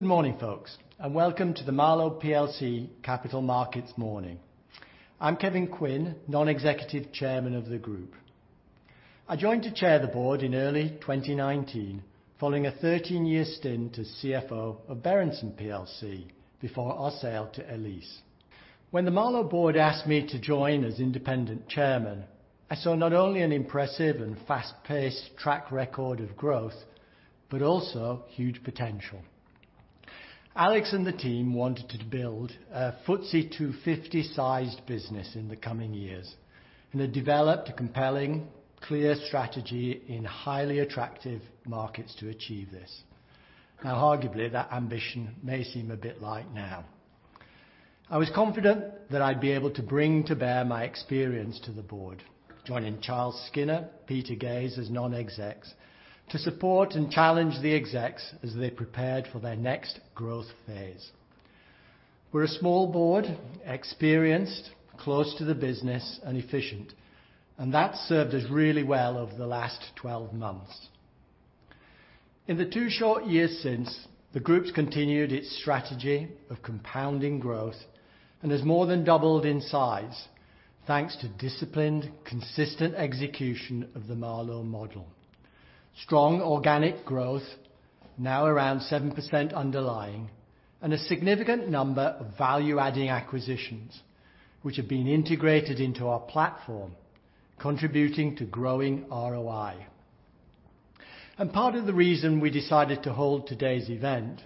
Good morning, folks, and welcome to the Marlowe PLC Capital Markets Morning. I'm Kevin Quinn, Non-executive Chairman of the group. I joined to chair the board in early 2019, following a 13-year stint as CFO of Berendsen PLC before our sale to Elis. When the Marlowe board asked me to join as independent chairman, I saw not only an impressive and fast-paced track record of growth, but also huge potential. Alex and the team wanted to build a FTSE 250-sized business in the coming years and had developed a compelling, clear strategy in highly attractive markets to achieve this. Now, arguably, that ambition may seem a bit light now. I was confident that I'd be able to bring to bear my experience to the board, joining Charles Skinner and Peter Gaze as non-execs to support and challenge the execs as they prepared for their next growth phase. We're a small board, experienced, close to the business, and efficient, and that's served us really well over the last 12 months. In the two short years since, the group's continued its strategy of compounding growth and has more than doubled in size, thanks to disciplined, consistent execution of the Marlowe model. Strong organic growth, now around 7% underlying, and a significant number of value-adding acquisitions, which have been integrated into our platform, contributing to growing ROI. And part of the reason we decided to hold today's event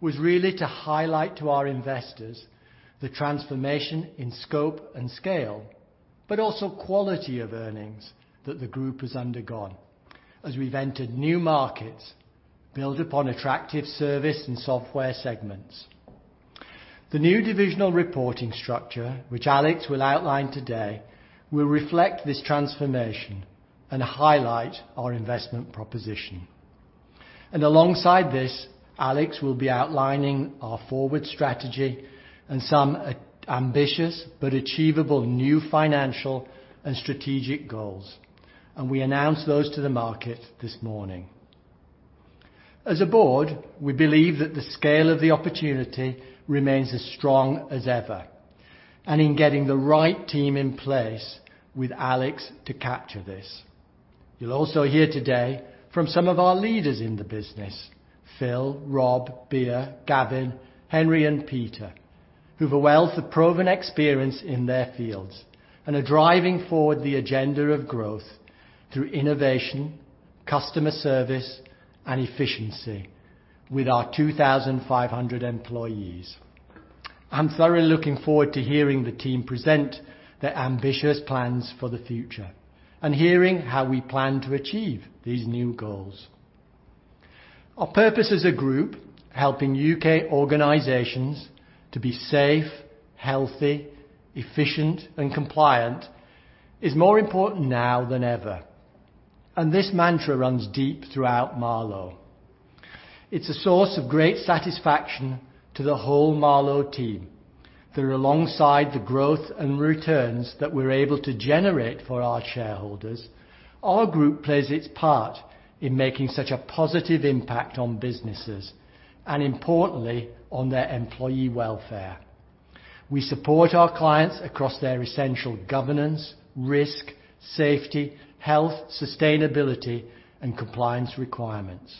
was really to highlight to our investors the transformation in scope and scale, but also quality of earnings that the group has undergone as we've entered new markets built upon attractive service and software segments. The new divisional reporting structure, which Alex will outline today, will reflect this transformation and highlight our investment proposition. Alongside this, Alex will be outlining our forward strategy and some ambitious but achievable new financial and strategic goals, and we announced those to the market this morning. As a board, we believe that the scale of the opportunity remains as strong as ever, and in getting the right team in place with Alex to capture this. You'll also hear today from some of our leaders in the business, Phil, Rob, Bea, Gavin, Henry, and Peter, who have a wealth of proven experience in their fields and are driving forward the agenda of growth through innovation, customer service, and efficiency with our 2,500 employees. I'm thoroughly looking forward to hearing the team present their ambitious plans for the future and hearing how we plan to achieve these new goals. Our purpose as a group, helping U.K. organizations to be safe, healthy, efficient, and compliant, is more important now than ever, and this mantra runs deep throughout Marlowe. It's a source of great satisfaction to the whole Marlowe team. Alongside the growth and returns that we're able to generate for our shareholders, our group plays its part in making such a positive impact on businesses and, importantly, on their employee welfare. We support our clients across their essential governance, risk, safety, health, sustainability, and compliance requirements.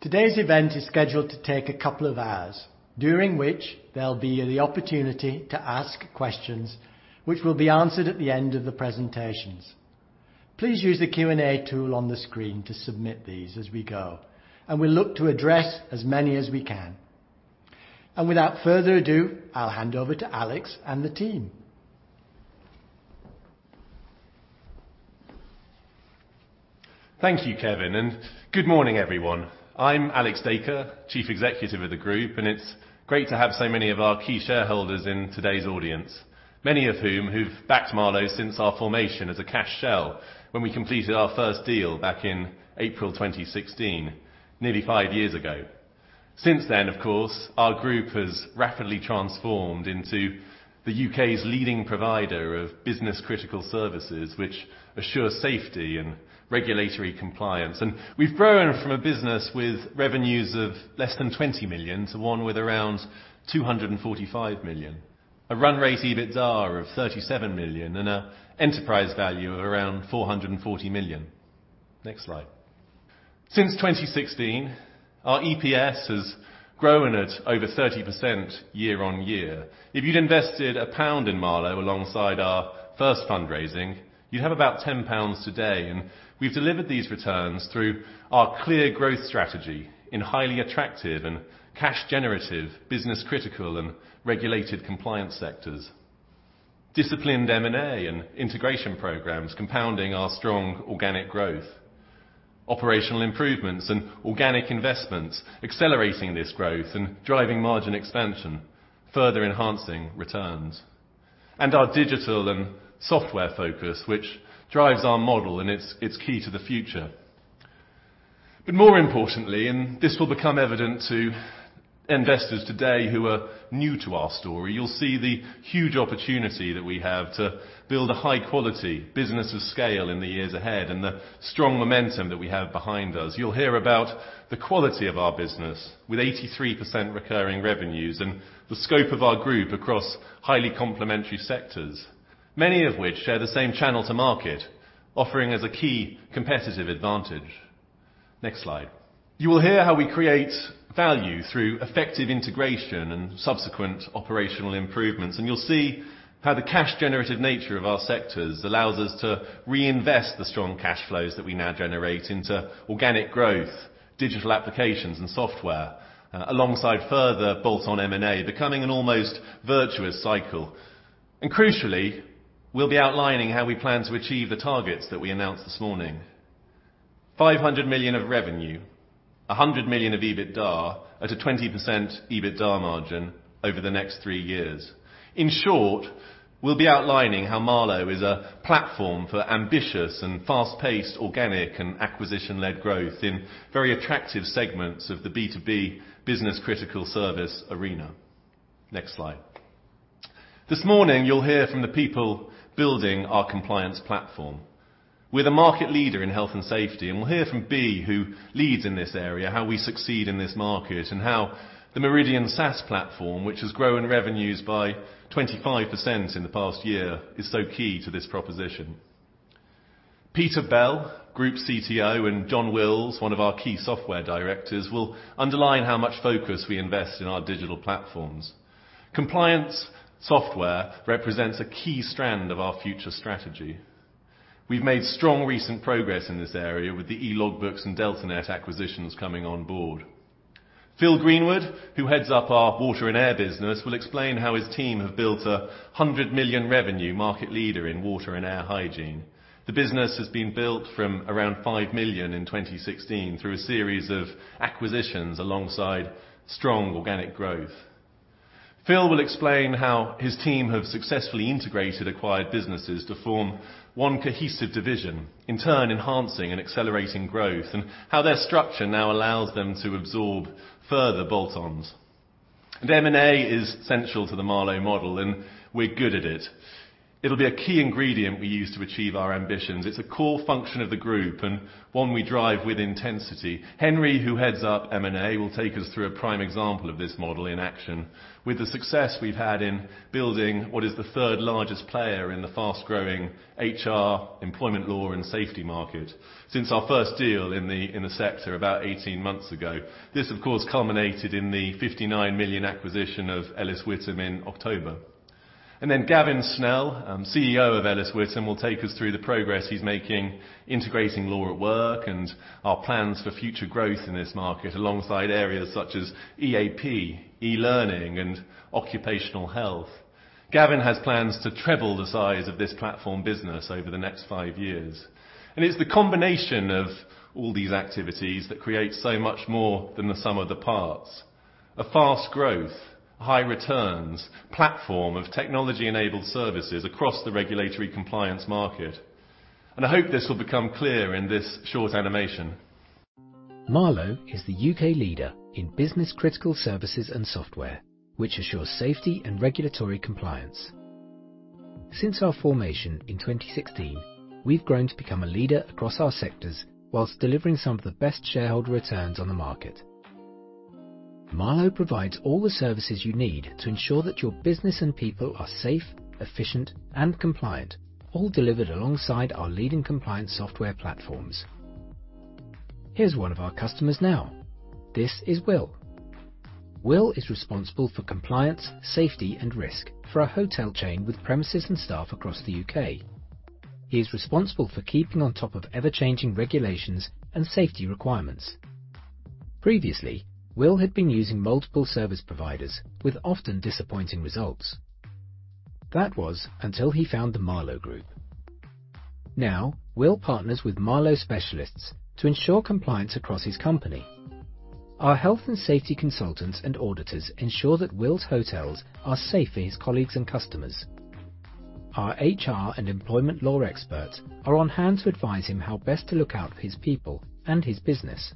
Today's event is scheduled to take a couple of hours, during which there'll be the opportunity to ask questions, which will be answered at the end of the presentations. Please use the Q&A tool on the screen to submit these as we go, and we'll look to address as many as we can. Without further ado, I'll hand over to Alex and the team. Thank you, Kevin, and good morning, everyone. I'm Alex Dacre, Chief Executive of the group, and it's great to have so many of our key shareholders in today's audience, many of whom have backed Marlowe since our formation as a cash shell when we completed our first deal back in April 2016, nearly five years ago. Since then, of course, our group has rapidly transformed into the U.K.'s leading provider of business-critical services, which assures safety and regulatory compliance. We've grown from a business with revenues of less than 20 million to one with around 245 million, a run rate EBITDA of 37 million, and an enterprise value of around 440 million. Next slide. Since 2016, our EPS has grown at over 30% year-on-year. If you'd invested GBP 1 in Marlowe alongside our first fundraising, you'd have about 10 pounds today, and we've delivered these returns through our clear growth strategy in highly attractive and cash-generative, business-critical, and regulated compliance sectors, disciplined M&A and integration programs compounding our strong organic growth, operational improvements, and organic investments accelerating this growth and driving margin expansion, further enhancing returns, and our digital and software focus, which drives our model and is key to the future. But more importantly, and this will become evident to investors today who are new to our story, you'll see the huge opportunity that we have to build a high-quality business of scale in the years ahead and the strong momentum that we have behind us. You'll hear about the quality of our business with 83% recurring revenues and the scope of our group across highly complementary sectors, many of which share the same channel to market, offering us a key competitive advantage. Next slide. You will hear how we create value through effective integration and subsequent operational improvements, and you'll see how the cash-generative nature of our sectors allows us to reinvest the strong cash flows that we now generate into organic growth, digital applications, and software, alongside further bolt-on M&A, becoming an almost virtuous cycle. Crucially, we'll be outlining how we plan to achieve the targets that we announced this morning: 500 million of revenue, 100 million of EBITDA, at a 20% EBITDA margin over the next three years. In short, we'll be outlining how Marlowe is a platform for ambitious and fast-paced organic and acquisition-led growth in very attractive segments of the B2B business-critical service arena. Next slide. This morning, you'll hear from the people building our compliance platform. We're the market leader in health and safety, and we'll hear from Bea, who leads in this area, how we succeed in this market and how the Meridian SaaS platform, which has grown revenues by 25% in the past year, is so key to this proposition. Peter Bell, Group CTO, and John Wills, one of our key software directors, will underline how much focus we invest in our digital platforms. Compliance software represents a key strand of our future strategy. We've made strong recent progress in this area with the Elogbooks and DeltaNet acquisitions coming on board. Phil Greenwood, who heads up our water and air business, will explain how his team have built a 100 million revenue market leader in water and air hygiene. The business has been built from around 5 million in 2016 through a series of acquisitions alongside strong organic growth. Phil will explain how his team have successfully integrated acquired businesses to form one cohesive division, in turn enhancing and accelerating growth, and how their structure now allows them to absorb further bolt-ons. And M&A is central to the Marlowe model, and we're good at it. It'll be a key ingredient we use to achieve our ambitions. It's a core function of the group and one we drive with intensity. Henry, who heads up M&A, will take us through a prime example of this model in action with the success we've had in building what is the third-largest player in the fast-growing HR, employment law, and safety market since our first deal in the sector about 18 months ago. This, of course, culminated in the 59 million acquisition of Ellis Whittam in October. And then Gavin Snell, CEO of Ellis Whittam, will take us through the progress he's making integrating Law At Work and our plans for future growth in this market alongside areas such as EAP, e-learning, and occupational health. Gavin has plans to treble the size of this platform business over the next five years. And it's the combination of all these activities that creates so much more than the sum of the parts: a fast growth, high returns platform of technology-enabled services across the regulatory compliance market. I hope this will become clear in this short animation. Marlowe is the U.K. leader in business-critical services and software, which assures safety and regulatory compliance. Since our formation in 2016, we've grown to become a leader across our sectors while delivering some of the best shareholder returns on the market. Marlowe provides all the services you need to ensure that your business and people are safe, efficient, and compliant, all delivered alongside our leading compliance software platforms. Here's one of our customers now. This is Will. Will is responsible for compliance, safety, and risk for a hotel chain with premises and staff across the U.K. He is responsible for keeping on top of ever-changing regulations and safety requirements. Previously, Will had been using multiple service providers with often disappointing results. That was until he found the Marlowe Group. Now, Will partners with Marlowe specialists to ensure compliance across his company. Our health and safety consultants and auditors ensure that Will's hotels are safe for his colleagues and customers. Our HR and employment law experts are on hand to advise him how best to look out for his people and his business.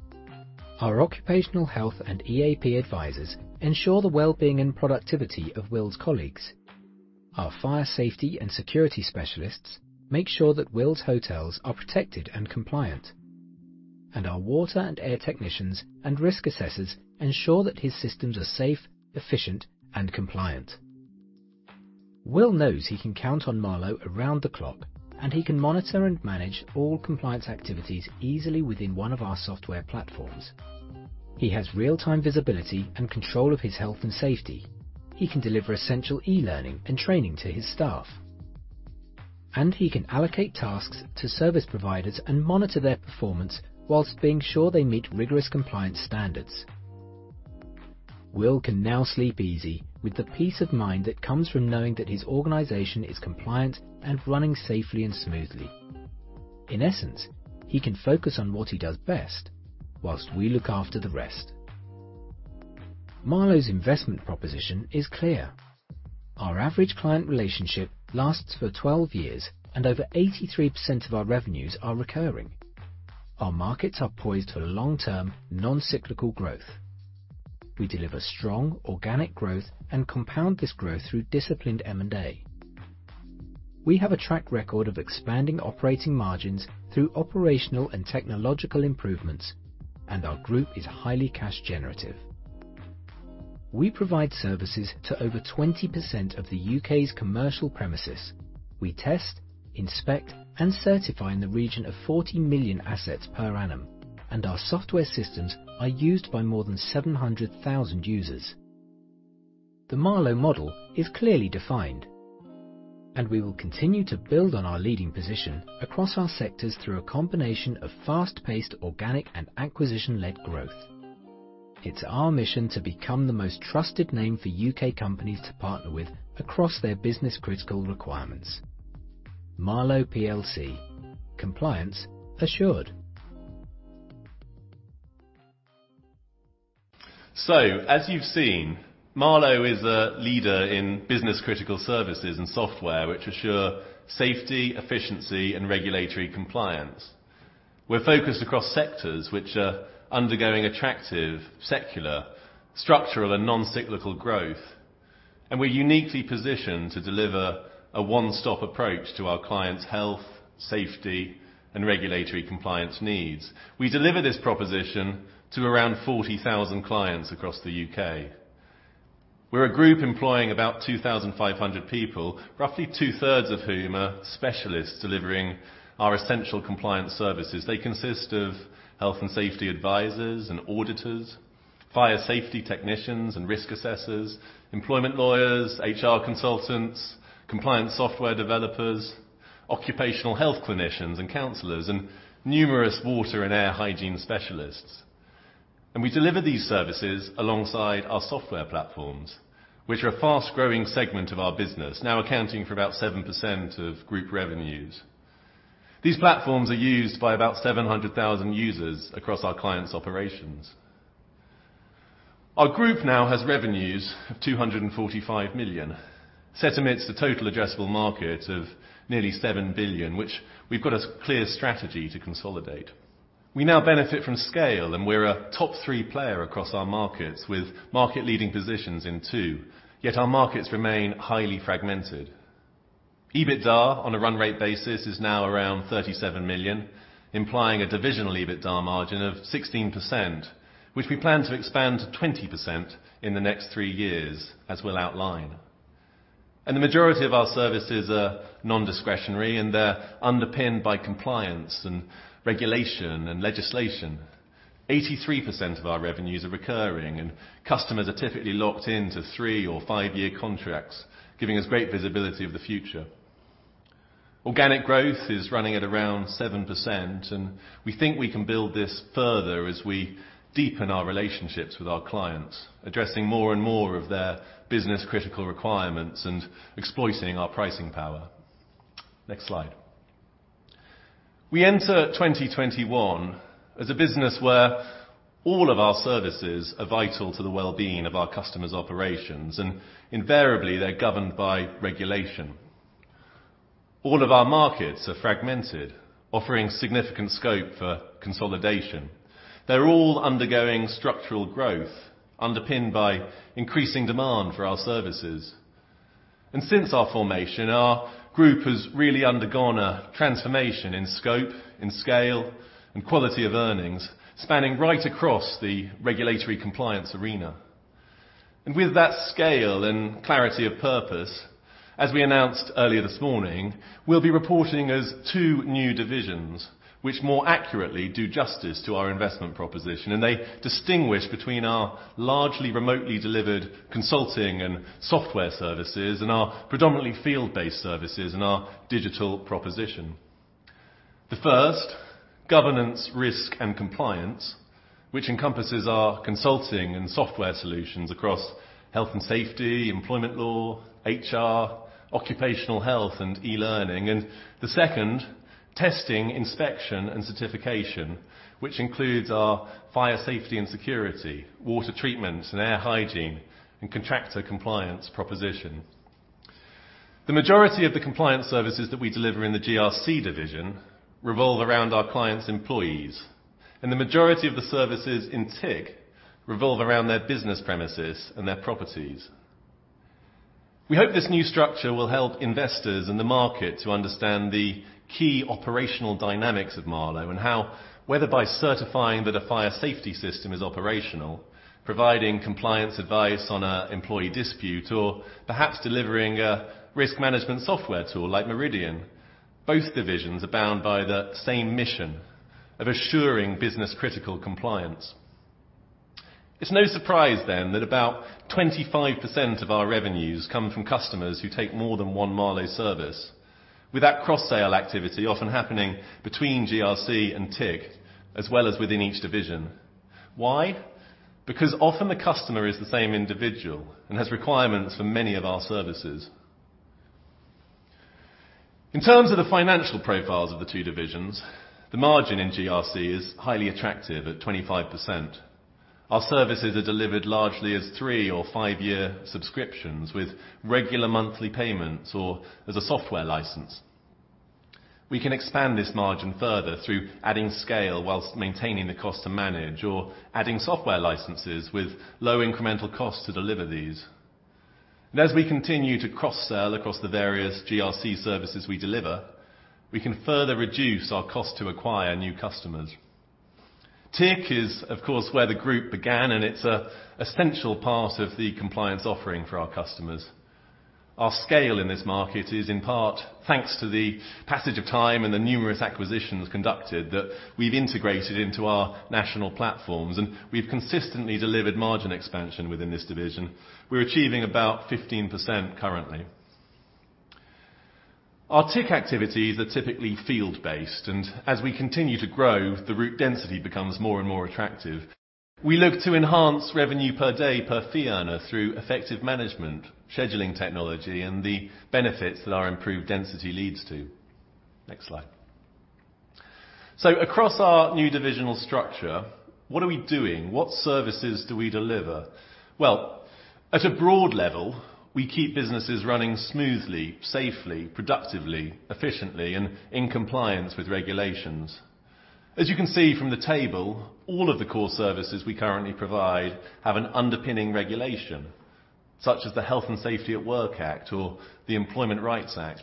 Our occupational health and EAP advisors ensure the well-being and productivity of Will's colleagues. Our fire safety and security specialists make sure that Will's hotels are protected and compliant, and our water and air technicians and risk assessors ensure that his systems are safe, efficient, and compliant. Will knows he can count on Marlowe around the clock, and he can monitor and manage all compliance activities easily within one of our software platforms. He has real-time visibility and control of his health and safety. He can deliver essential e-learning and training to his staff, and he can allocate tasks to service providers and monitor their performance while being sure they meet rigorous compliance standards. Will can now sleep easy with the peace of mind that comes from knowing that his organization is compliant and running safely and smoothly. In essence, he can focus on what he does best while we look after the rest. Marlowe's investment proposition is clear. Our average client relationship lasts for 12 years, and over 83% of our revenues are recurring. Our markets are poised for long-term, non-cyclical growth. We deliver strong, organic growth and compound this growth through disciplined M&A. We have a track record of expanding operating margins through operational and technological improvements, and our group is highly cash-generative. We provide services to over 20% of the U.K.'s commercial premises. We test, inspect, and certify in the region of 40 million assets per annum, and our software systems are used by more than 700,000 users. The Marlowe model is clearly defined, and we will continue to build on our leading position across our sectors through a combination of fast-paced organic and acquisition-led growth. It's our mission to become the most trusted name for U.K. companies to partner with across their business-critical requirements. Marlowe PLC. Compliance assured. So, as you've seen, Marlowe is a leader in business-critical services and software, which assure safety, efficiency, and regulatory compliance. We're focused across sectors which are undergoing attractive, secular, structural, and non-cyclical growth, and we're uniquely positioned to deliver a one-stop approach to our clients' health, safety, and regulatory compliance needs. We deliver this proposition to around 40,000 clients across the U.K. We're a group employing about 2,500 people, roughly two-thirds of whom are specialists delivering our essential compliance services. They consist of health and safety advisors and auditors, fire safety technicians and risk assessors, employment lawyers, HR consultants, compliance software developers, occupational health clinicians and counselors, and numerous water and air hygiene specialists. We deliver these services alongside our software platforms, which are a fast-growing segment of our business, now accounting for about 7% of group revenues. These platforms are used by about 700,000 users across our clients' operations. Our group now has revenues of 245 million, set amidst a total addressable market of nearly 7 billion, which we've got a clear strategy to consolidate. We now benefit from scale, and we're a top-three player across our markets with market-leading positions in two, yet our markets remain highly fragmented. EBITDA on a run rate basis is now around 37 million, implying a divisional EBITDA margin of 16%, which we plan to expand to 20% in the next three years, as we'll outline. The majority of our services are non-discretionary, and they're underpinned by compliance and regulation and legislation. 83% of our revenues are recurring, and customers are typically locked into 3- or, 5-year contracts, giving us great visibility of the future. Organic growth is running at around 7%, and we think we can build this further as we deepen our relationships with our clients, addressing more and more of their business-critical requirements and exploiting our pricing power. Next slide. We enter 2021 as a business where all of our services are vital to the well-being of our customers' operations, and invariably, they're governed by regulation. All of our markets are fragmented, offering significant scope for consolidation. They're all undergoing structural growth, underpinned by increasing demand for our services. Since our formation, our group has really undergone a transformation in scope, in scale, and quality of earnings, spanning right across the regulatory compliance arena. With that scale and clarity of purpose, as we announced earlier this morning, we'll be reporting as two new divisions, which more accurately do justice to our investment proposition, and they distinguish between our largely remotely delivered consulting and software services and our predominantly field-based services and our digital proposition. The first, Governance, Risk, and Compliance, which encompasses our consulting and software solutions across health and safety, employment law, HR, occupational health, and e-learning. The second, Testing, Inspection, and Certification, which includes our fire safety and security, water treatment and air hygiene, and contractor compliance proposition. The majority of the compliance services that we deliver in the GRC division revolve around our clients' employees, and the majority of the services in TIC revolve around their business premises and their properties. We hope this new structure will help investors and the market to understand the key operational dynamics of Marlowe and how, whether by certifying that a fire safety system is operational, providing compliance advice on an employee dispute, or perhaps delivering a risk management software tool like Meridian, both divisions are bound by the same mission of assuring business-critical compliance. It's no surprise, then, that about 25% of our revenues come from customers who take more than one Marlowe service, with that cross-sale activity often happening between GRC and TIC, as well as within each division. Why? Because often the customer is the same individual and has requirements for many of our services. In terms of the financial profiles of the two divisions, the margin in GRC is highly attractive at 25%. Our services are delivered largely as 3- or 5-year subscriptions with regular monthly payments or as a software license. We can expand this margin further through adding scale while maintaining the cost to manage or adding software licenses with low incremental costs to deliver these. And as we continue to cross-sell across the various GRC services we deliver, we can further reduce our cost to acquire new customers. TIC is, of course, where the group began, and it's an essential part of the compliance offering for our customers. Our scale in this market is in part thanks to the passage of time and the numerous acquisitions conducted that we've integrated into our national platforms, and we've consistently delivered margin expansion within this division We're achieving about 15% currently. Our TIC activities are typically field-based, and as we continue to grow, the route density becomes more and more attractive. We look to enhance revenue per day per fee earner through effective management, scheduling technology, and the benefits that our improved density leads to. Next slide. So across our new divisional structure, what are we doing? What services do we deliver? Well, at a broad level, we keep businesses running smoothly, safely, productively, efficiently, and in compliance with regulations. As you can see from the table, all of the core services we currently provide have an underpinning regulation, such as the Health and Safety at Work Act or the Employment Rights Act.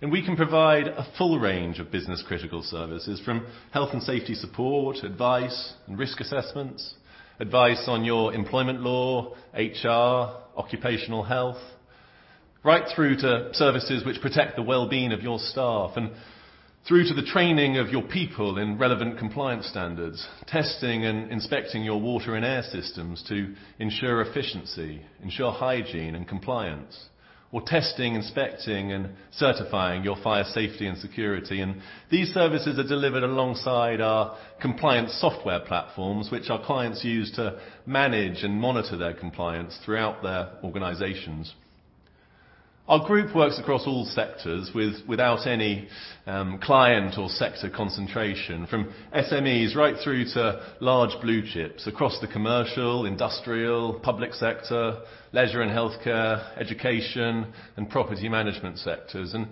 And we can provide a full range of business-critical services from health and safety support, advice, and risk assessments, advice on your employment law, HR, occupational health, right through to services which protect the well-being of your staff, and through to the training of your people in relevant compliance standards, testing and inspecting your water and air systems to ensure efficiency, ensure hygiene and compliance, or testing, inspecting, and certifying your fire safety and security. And these services are delivered alongside our compliance software platforms, which our clients use to manage and monitor their compliance throughout their organizations. Our group works across all sectors without any client or sector concentration, from SMEs right through to large blue chips across the commercial, industrial, public sector, leisure and healthcare, education, and property management sectors. And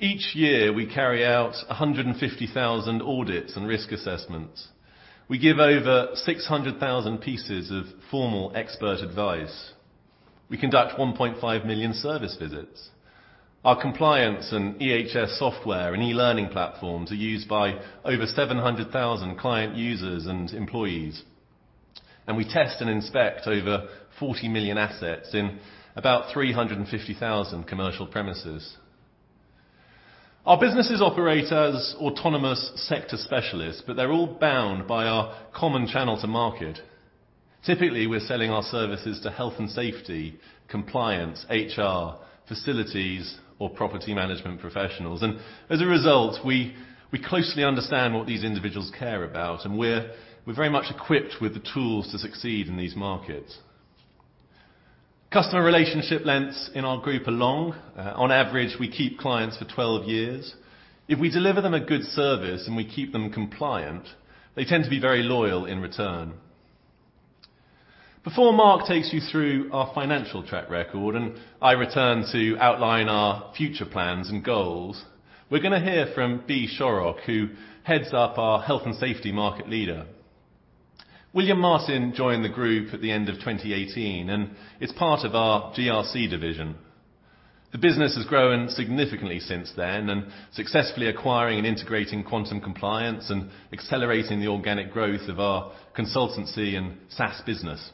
each year, we carry out 150,000 audits and risk assessments. We give over 600,000 pieces of formal expert advice. We conduct 1.5 million service visits. Our compliance and EHS software and e-learning platforms are used by over 700,000 client users and employees, and we test and inspect over 40 million assets in about 350,000 commercial premises. Our businesses operate as autonomous sector specialists, but they're all bound by our common channel to market. Typically, we're selling our services to health and safety, compliance, HR, facilities, or property management professionals. And as a result, we closely understand what these individuals care about, and we're very much equipped with the tools to succeed in these markets. Customer relationship lengths in our group are long. On average, we keep clients for 12 years. If we deliver them a good service and we keep them compliant, they tend to be very loyal in return. Before Mark takes you through our financial track record, and I return to outline our future plans and goals, we're going to hear from Bea Shorrock, who heads up our health and safety market leader. William Martin joined the group at the end of 2018, and it's part of our GRC division. The business has grown significantly since then and successfully acquiring and integrating Quantum Compliance and accelerating the organic growth of our consultancy and SaaS business.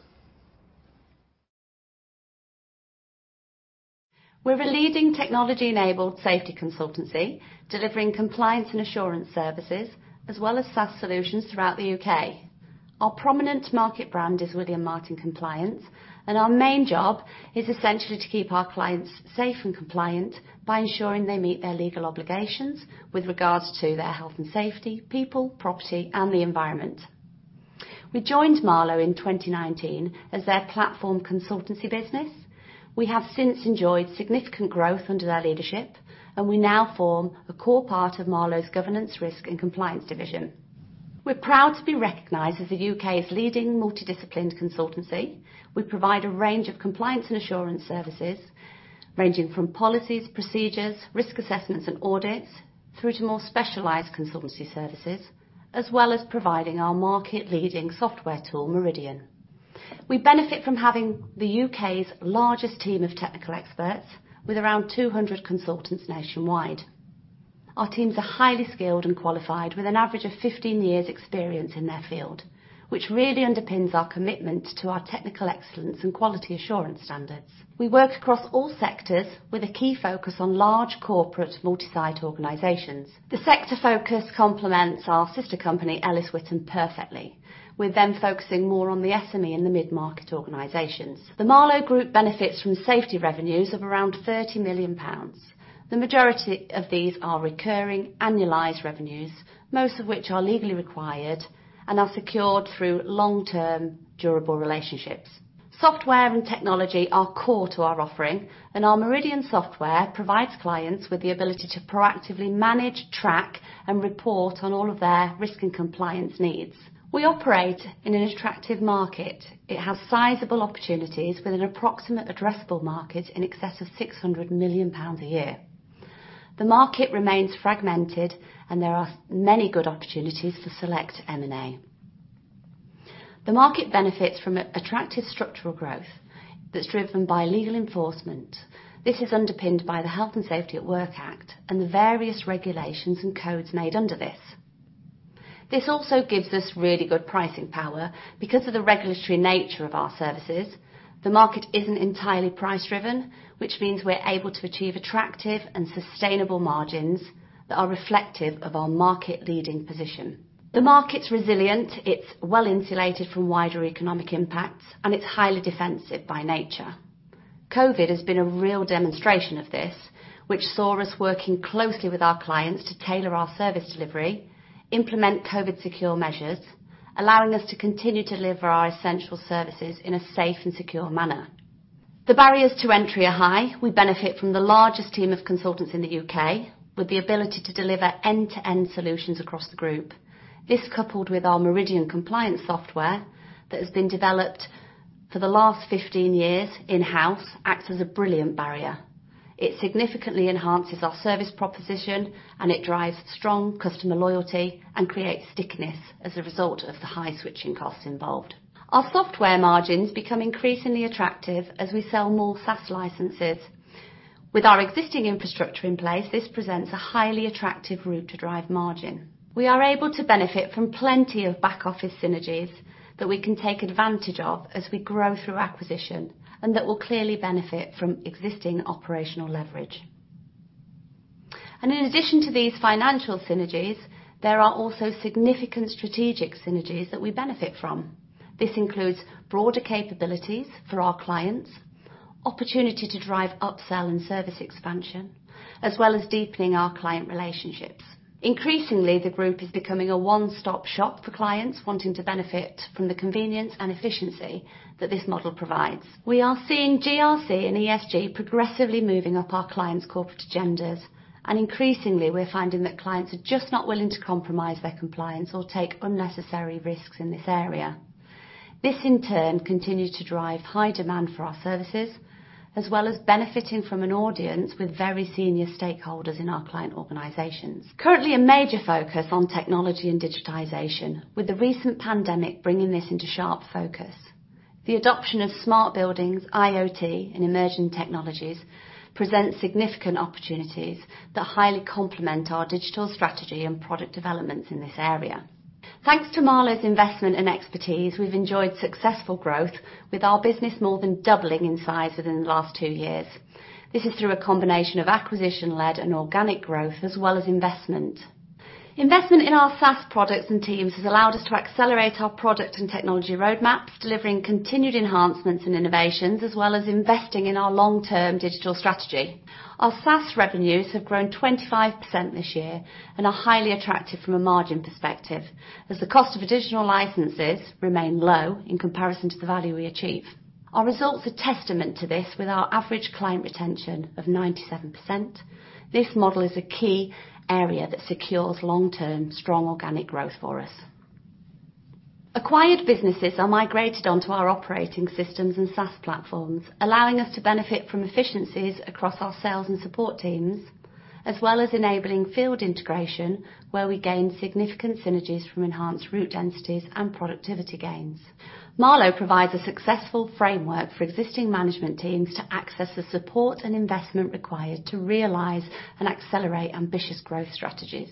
We're a leading technology-enabled safety consultancy, delivering compliance and assurance services as well as SaaS solutions throughout the U.K. Our prominent market brand is William Martin Compliance, and our main job is essentially to keep our clients safe and compliant by ensuring they meet their legal obligations with regards to their health and safety, people, property, and the environment. We joined Marlowe in 2019 as their platform consultancy business. We have since enjoyed significant growth under their leadership, and we now form a core part of Marlowe's governance, risk, and compliance division. We're proud to be recognized as the U.K.'s leading multidisciplined consultancy. We provide a range of compliance and assurance services ranging from policies, procedures, risk assessments, and audits through to more specialized consultancy services, as well as providing our market-leading software tool, Meridian. We benefit from having the U.K.'s largest team of technical experts with around 200 consultants nationwide. Our teams are highly skilled and qualified with an average of 15 years' experience in their field, which really underpins our commitment to our technical excellence and quality assurance standards. We work across all sectors with a key focus on large corporate multi-site organizations. The sector focus complements our sister company, Ellis Whittam, perfectly, with them focusing more on the SME and the mid-market organizations. The Marlowe Group benefits from safety revenues of around 30 million pounds. The majority of these are recurring annualized revenues, most of which are legally required and are secured through long-term durable relationships. Software and technology are core to our offering, and our Meridian software provides clients with the ability to proactively manage, track, and report on all of their risk and compliance needs. We operate in an attractive market. It has sizable opportunities with an approximate addressable market in excess of £600 million a year. The market remains fragmented, and there are many good opportunities for select M&A. The market benefits from attractive structural growth that's driven by legal enforcement. This is underpinned by the Health and Safety at Work Act and the various regulations and codes made under this. This also gives us really good pricing power because of the regulatory nature of our services. The market isn't entirely price-driven, which means we're able to achieve attractive and sustainable margins that are reflective of our market-leading position. The market's resilient. It's well-insulated from wider economic impacts, and it's highly defensive by nature. COVID has been a real demonstration of this, which saw us working closely with our clients to tailor our service delivery, implement COVID-secure measures, allowing us to continue to deliver our essential services in a safe and secure manner. The barriers to entry are high. We benefit from the largest team of consultants in the U.K, with the ability to deliver end-to-end solutions across the group. This, coupled with our Meridian compliance software that has been developed for the last 15 years in-house, acts as a brilliant barrier. It significantly enhances our service proposition, and it drives strong customer loyalty and creates stickiness as a result of the high switching costs involved. Our software margins become increasingly attractive as we sell more SaaS licenses. With our existing infrastructure in place, this presents a highly attractive route to drive margin. We are able to benefit from plenty of back-office synergies that we can take advantage of as we grow through acquisition and that will clearly benefit from existing operational leverage. In addition to these financial synergies, there are also significant strategic synergies that we benefit from. This includes broader capabilities for our clients, opportunity to drive upsell and service expansion, as well as deepening our client relationships. Increasingly, the group is becoming a one-stop shop for clients wanting to benefit from the convenience and efficiency that this model provides. We are seeing GRC and ESG progressively moving up our clients' corporate agendas, and increasingly, we're finding that clients are just not willing to compromise their compliance or take unnecessary risks in this area. This, in turn, continues to drive high demand for our services, as well as benefiting from an audience with very senior stakeholders in our client organizations. Currently, a major focus on technology and digitization, with the recent pandemic bringing this into sharp focus. The adoption of smart buildings, IoT, and emerging technologies presents significant opportunities that highly complement our digital strategy and product developments in this area. Thanks to Marlowe's investment and expertise, we've enjoyed successful growth, with our business more than doubling in size within the last two years. This is through a combination of acquisition-led and organic growth, as well as investment. Investment in our SaaS products and teams has allowed us to accelerate our product and technology roadmaps, delivering continued enhancements and innovations, as well as investing in our long-term digital strategy. Our SaaS revenues have grown 25% this year and are highly attractive from a margin perspective, as the cost of additional licenses remains low in comparison to the value we achieve. Our results are testament to this with our average client retention of 97%. This model is a key area that secures long-term strong organic growth for us. Acquired businesses are migrated onto our operating systems and SaaS platforms, allowing us to benefit from efficiencies across our sales and support teams, as well as enabling field integration, where we gain significant synergies from enhanced root densities and productivity gains. Marlowe provides a successful framework for existing management teams to access the support and investment required to realize and accelerate ambitious growth strategies.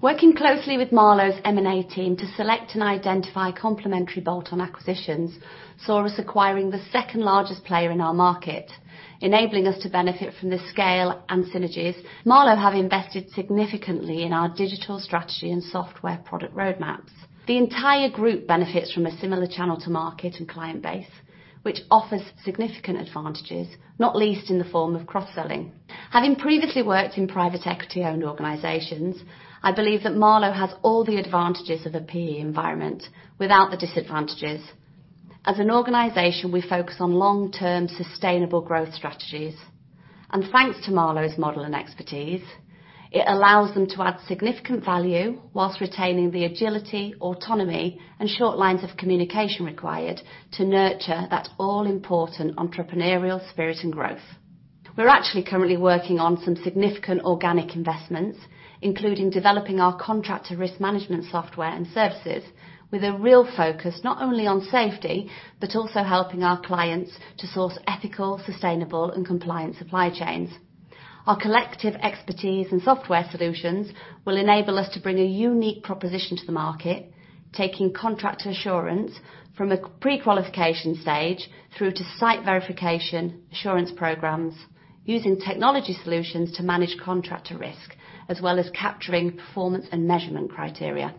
Working closely with Marlowe's M&A team to select and identify complementary bolt-on acquisitions saw us acquiring the second-largest player in our market, enabling us to benefit from the scale and synergies. Marlowe has invested significantly in our digital strategy and software product roadmaps. The entire group benefits from a similar channel to market and client base, which offers significant advantages, not least in the form of cross-selling. Having previously worked in private equity-owned organizations, I believe that Marlowe has all the advantages of a PE environment without the disadvantages. As an organization, we focus on long-term sustainable growth strategies, and thanks to Marlowe's model and expertise, it allows them to add significant value whilst retaining the agility, autonomy, and short lines of communication required to nurture that all-important entrepreneurial spirit and growth. We're actually currently working on some significant organic investments, including developing our contractor risk management software and services, with a real focus not only on safety but also helping our clients to source ethical, sustainable, and compliant supply chains. Our collective expertise and software solutions will enable us to bring a unique proposition to the market, taking contractor assurance from a pre-qualification stage through to site verification assurance programs, using technology solutions to manage contractor risk, as well as capturing performance and measurement criteria.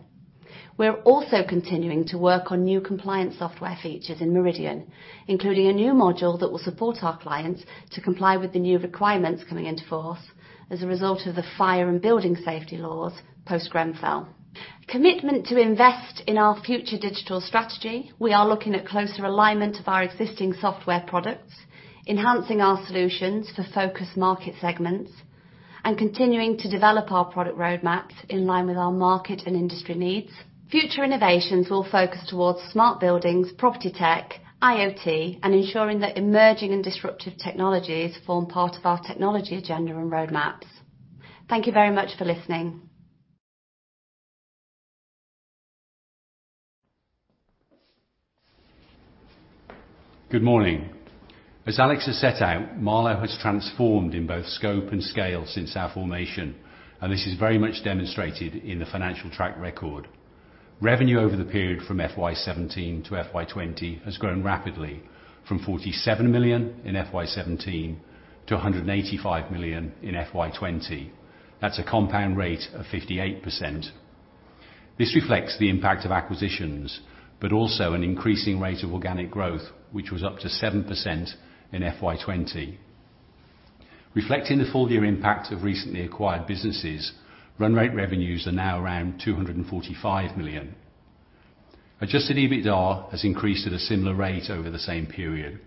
We're also continuing to work on new compliance software features in Meridian, including a new module that will support our clients to comply with the new requirements coming into force as a result of the fire and building safety laws post-Grenfell. Commitment to invest in our future digital strategy. We are looking at closer alignment of our existing software products, enhancing our solutions for focus market segments, and continuing to develop our product roadmaps in line with our market and industry needs. Future innovations will focus towards smart buildings, property tech, IoT, and ensuring that emerging and disruptive technologies form part of our technology agenda and roadmaps. Thank you very much for listening. Good morning. As Alex has set out, Marlowe has transformed in both scope and scale since our formation, and this is very much demonstrated in the financial track record. Revenue over the period from FY17 to FY20 has grown rapidly from 47 million in FY17 to 185 million in FY20. That's a compound rate of 58%. This reflects the impact of acquisitions, but also an increasing rate of organic growth, which was up to 7% in FY20. Reflecting the full-year impact of recently acquired businesses, run rate revenues are now around 245 million. Adjusted EBITDA has increased at a similar rate over the same period,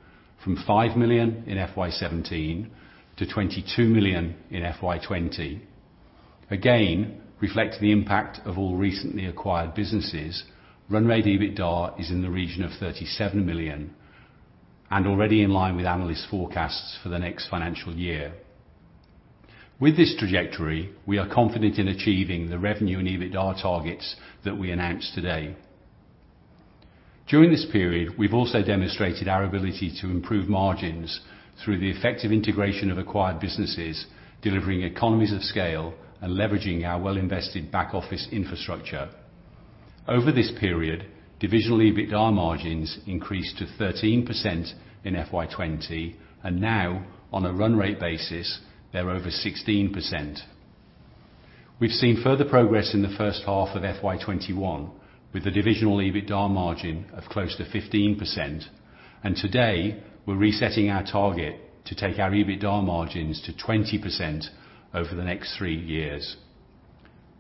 from 5 million in FY17 to 22 million in FY20. Again, reflecting the impact of all recently acquired businesses, run rate EBITDA is in the region of 37 million and already in line with analysts' forecasts for the next financial year. With this trajectory, we are confident in achieving the revenue and EBITDA targets that we announced today. During this period, we've also demonstrated our ability to improve margins through the effective integration of acquired businesses, delivering economies of scale and leveraging our well-invested back-office infrastructure. Over this period, divisional EBITDA margins increased to 13% in FY20, and now, on a run rate basis, they're over 16%. We've seen further progress in the first half of FY21, with the divisional EBITDA margin of close to 15%, and today, we're resetting our target to take our EBITDA margins to 20% over the next three years.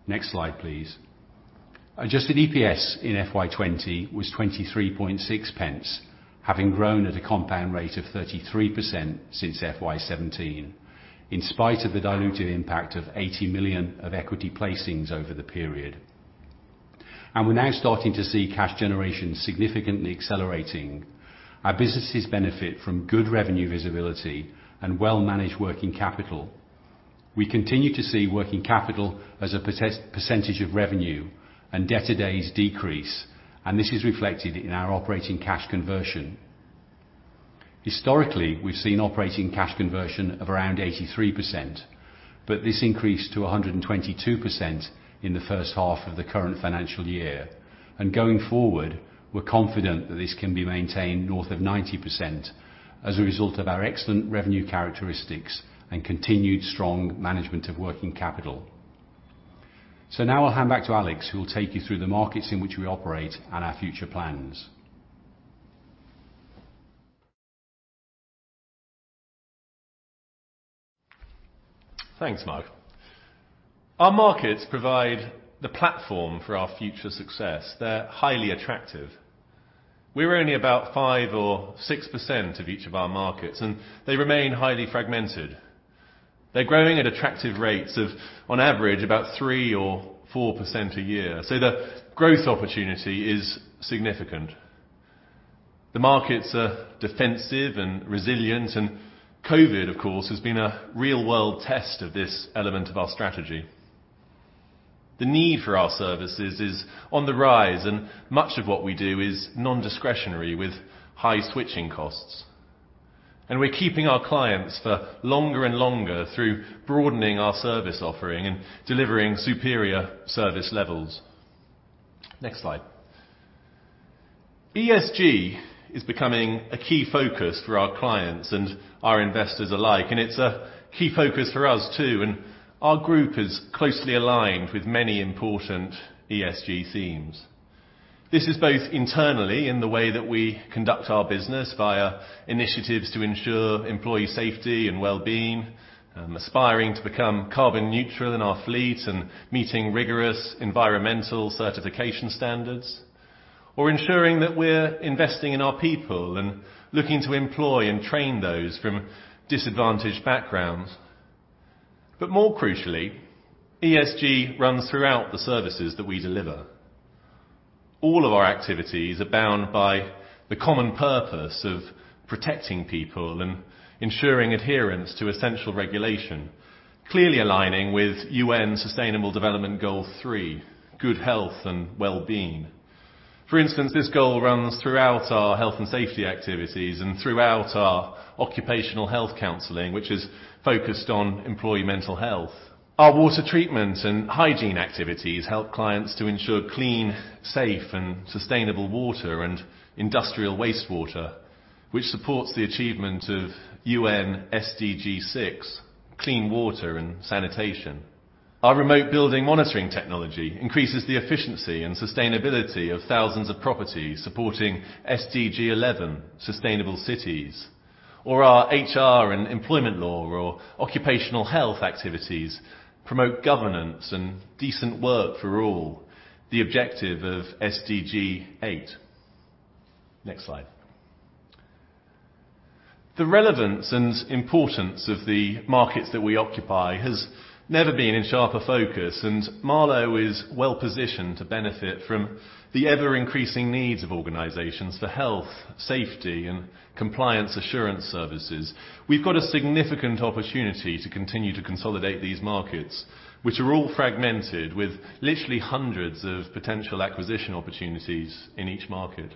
Next slide, please. Adjusted EPS in FY20 was £23.6, having grown at a compound rate of 33% since FY17, in spite of the diluted impact of £80 million of equity placings over the period. We're now starting to see cash generation significantly accelerating. Our businesses benefit from good revenue visibility and well-managed working capital. We continue to see working capital as a percentage of revenue and debt-to-days decrease, and this is reflected in our operating cash conversion. Historically, we've seen operating cash conversion of around 83%, but this increased to 122% in the first half of the current financial year. Going forward, we're confident that this can be maintained north of 90% as a result of our excellent revenue characteristics and continued strong management of working capital. Now I'll hand back to Alex, who will take you through the markets in which we operate and our future plans. Thanks, Mark. Our markets provide the platform for our future success. They're highly attractive. We're only about 5% or 6% of each of our markets, and they remain highly fragmented. They're growing at attractive rates of, on average, about 3% or 4% a year. So the growth opportunity is significant. The markets are defensive and resilient, and COVID, of course, has been a real-world test of this element of our strategy. The need for our services is on the rise, and much of what we do is non-discretionary with high switching costs. And we're keeping our clients for longer and longer through broadening our service offering and delivering superior service levels. Next slide. ESG is becoming a key focus for our clients and our investors alike, and it's a key focus for us too. And our group is closely aligned with many important ESG themes. This is both internally in the way that we conduct our business via initiatives to ensure employee safety and well-being, aspiring to become carbon neutral in our fleet and meeting rigorous environmental certification standards, or ensuring that we're investing in our people and looking to employ and train those from disadvantaged backgrounds. But more crucially, ESG runs throughout the services that we deliver. All of our activities are bound by the common purpose of protecting people and ensuring adherence to essential regulation, clearly aligning with UN Sustainable Development Goal 3, good health and well-being. For instance, this goal runs throughout our health and safety activities and throughout our occupational health counseling, which is focused on employee mental health. Our water treatment and hygiene activities help clients to ensure clean, safe, and sustainable water and industrial wastewater, which supports the achievement of UN SDG 6, clean water and sanitation. Our remote building monitoring technology increases the efficiency and sustainability of thousands of properties supporting SDG 11, sustainable cities, or our HR and employment law or occupational health activities promote governance and decent work for all, the objective of SDG 8. Next slide. The relevance and importance of the markets that we occupy has never been in sharper focus, and Marlowe is well-positioned to benefit from the ever-increasing needs of organizations for health, safety, and compliance assurance services. We've got a significant opportunity to continue to consolidate these markets, which are all fragmented with literally hundreds of potential acquisition opportunities in each market.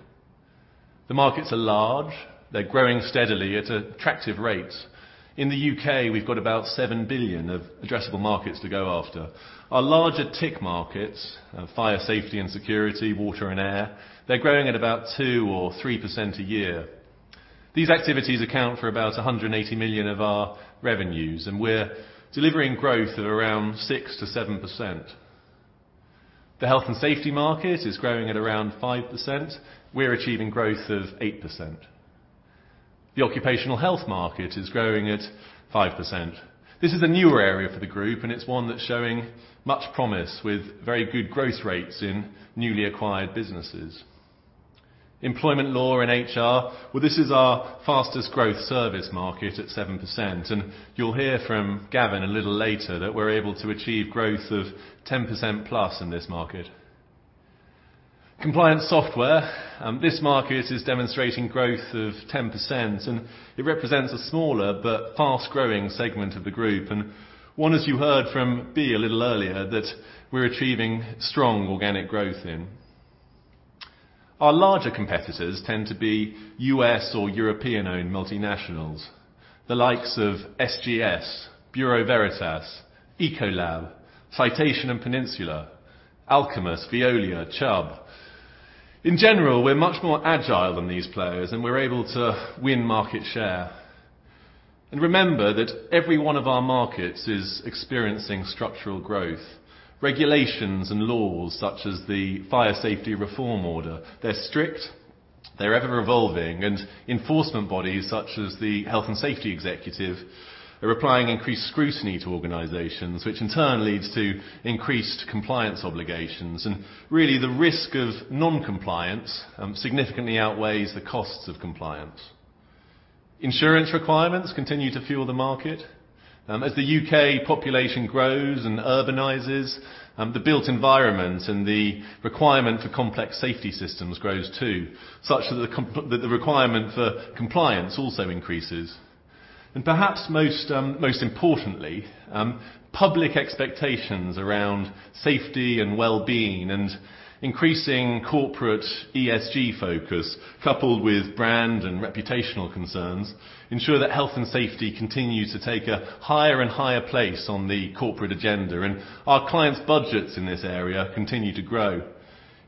The markets are large. They're growing steadily at attractive rates. In the U.K., we've got about 7 billion of addressable markets to go after. Our larger TIC markets, fire safety and security, water, and air, they're growing at about 2% or 3% a year. These activities account for about 180 million of our revenues, and we're delivering growth of around 6%-7%. The health and safety market is growing at around 5%. We're achieving growth of 8%. The occupational health market is growing at 5%. This is a newer area for the group, and it's one that's showing much promise with very good growth rates in newly acquired businesses. Employment law and HR, well, this is our fastest growth service market at 7%, and you'll hear from Gavin a little later that we're able to achieve growth of 10%+ in this market. Compliance software, this market is demonstrating growth of 10%, and it represents a smaller but fast-growing segment of the group. One as you heard from B a little earlier that we're achieving strong organic growth in. Our larger competitors tend to be U.S. or European-owned multinationals, the likes of SGS, Bureau Veritas, Ecolab, Citation, Peninsula, Alcumus, Veolia, Chubb. In general, we're much more agile than these players, and we're able to win market share. Remember that every one of our markets is experiencing structural growth. Regulations and laws such as the Fire Safety Reform Order, they're strict, they're ever-evolving, and enforcement bodies such as the Health and Safety Executive are applying increased scrutiny to organizations, which in turn leads to increased compliance obligations. Really, the risk of non-compliance significantly outweighs the costs of compliance. Insurance requirements continue to fuel the market. As the U.K. population grows and urbanizes, the built environment and the requirement for complex safety systems grows too, such that the requirement for compliance also increases. Perhaps most importantly, public expectations around safety and well-being and increasing corporate ESG focus, coupled with brand and reputational concerns, ensure that health and safety continue to take a higher and higher place on the corporate agenda, and our clients' budgets in this area continue to grow.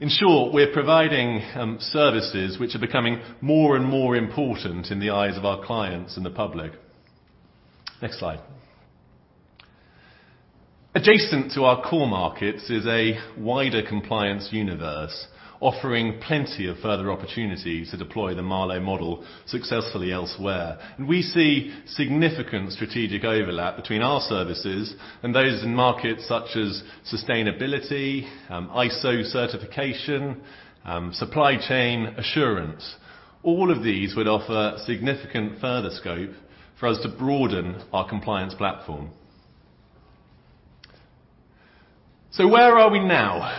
In short, we're providing services which are becoming more and more important in the eyes of our clients and the public. Next slide. Adjacent to our core markets is a wider compliance universe offering plenty of further opportunities to deploy the Marlowe model successfully elsewhere. We see significant strategic overlap between our services and those in markets such as sustainability, ISO certification, supply chain assurance. All of these would offer significant further scope for us to broaden our compliance platform. Where are we now?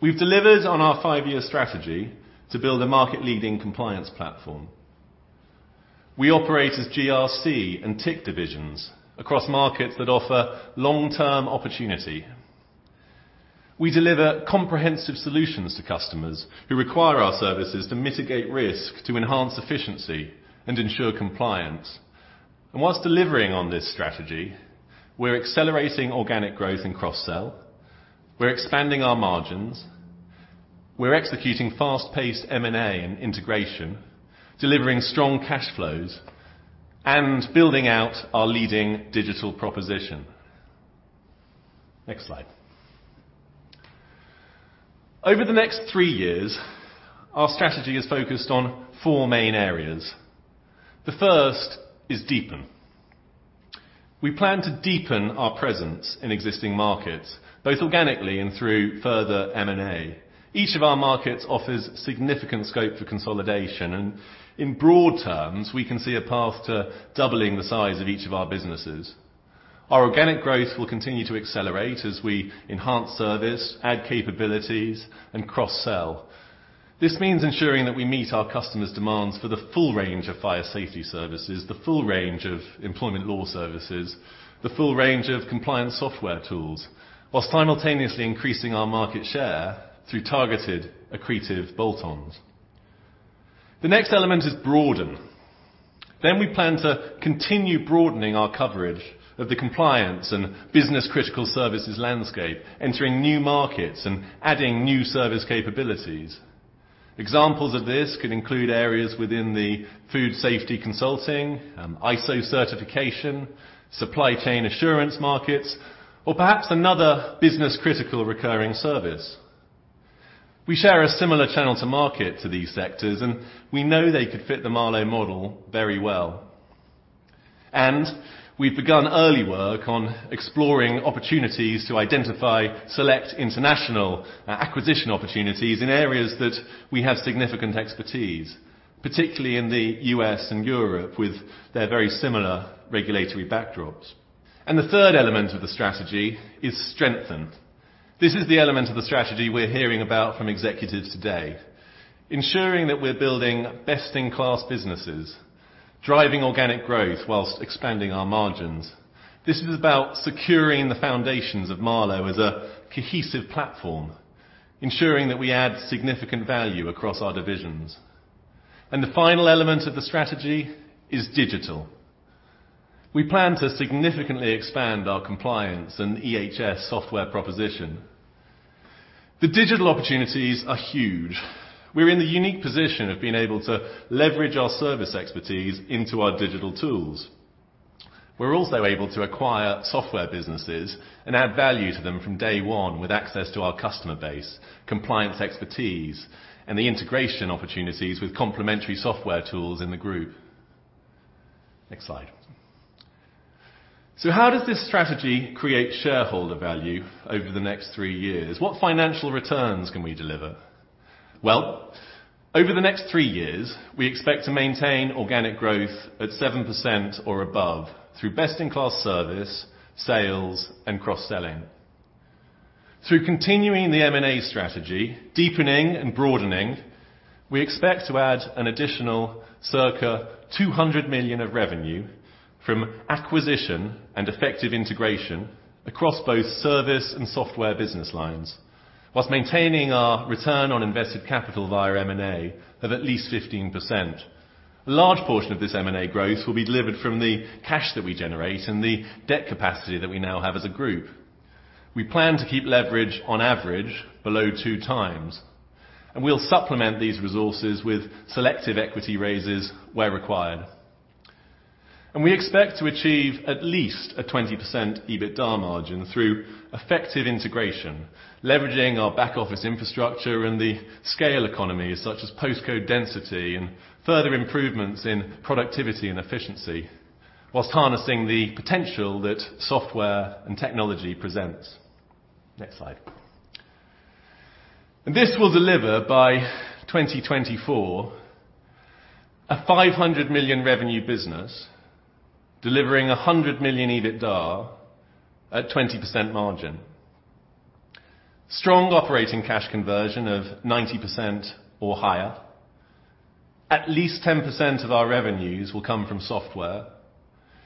We've delivered on our five-year strategy to build a market-leading compliance platform. We operate as GRC and TIC divisions across markets that offer long-term opportunity. We deliver comprehensive solutions to customers who require our services to mitigate risk, to enhance efficiency, and ensure compliance. While delivering on this strategy, we're accelerating organic growth in cross-sell. We're expanding our margins. We're executing fast-paced M&A and integration, delivering strong cash flows, and building out our leading digital proposition. Next slide. Over the next three years, our strategy is focused on four main areas. The first is deepen. We plan to deepen our presence in existing markets, both organically and through further M&A. Each of our markets offers significant scope for consolidation, and in broad terms, we can see a path to doubling the size of each of our businesses. Our organic growth will continue to accelerate as we enhance service, add capabilities, and cross-sell. This means ensuring that we meet our customers' demands for the full range of fire safety services, the full range of employment law services, the full range of compliance software tools, while simultaneously increasing our market share through targeted accretive bolt-ons. The next element is broaden. Then we plan to continue broadening our coverage of the compliance and business-critical services landscape, entering new markets and adding new service capabilities. Examples of this could include areas within the food safety consulting, ISO certification, supply chain assurance markets, or perhaps another business-critical recurring service. We share a similar channel to market to these sectors, and we know they could fit the Marlowe model very well. And we've begun early work on exploring opportunities to identify select international acquisition opportunities in areas that we have significant expertise, particularly in the U.S. and Europe with their very similar regulatory backdrops. The third element of the strategy is strengthen. This is the element of the strategy we're hearing about from executives today, ensuring that we're building best-in-class businesses, driving organic growth while expanding our margins. This is about securing the foundations of Marlowe as a cohesive platform, ensuring that we add significant value across our divisions. The final element of the strategy is digital. We plan to significantly expand our compliance and EHS software proposition. The digital opportunities are huge. We're in the unique position of being able to leverage our service expertise into our digital tools. We're also able to acquire software businesses and add value to them from day one with access to our customer base, compliance expertise, and the integration opportunities with complementary software tools in the group. Next slide. How does this strategy create shareholder value over the next three years? What financial returns can we deliver? Well, over the next three years, we expect to maintain organic growth at 7% or above through best-in-class service, sales, and cross-selling. Through continuing the M&A strategy, deepening and broadening, we expect to add an additional 200 million of revenue from acquisition and effective integration across both service and software business lines, while maintaining our return on invested capital via M&A of at least 15%. A large portion of this M&A growth will be delivered from the cash that we generate and the debt capacity that we now have as a group. We plan to keep leverage on average below 2x, and we'll supplement these resources with selective equity raises where required. And we expect to achieve at least a 20% EBITDA margin through effective integration, leveraging our back-office infrastructure and the scale economies such as postcode density and further improvements in productivity and efficiency, while harnessing the potential that software and technology presents. Next slide. This will deliver by 2024 a 500 million revenue business delivering 100 million EBITDA at 20% margin, strong operating cash conversion of 90% or higher. At least 10% of our revenues will come from software,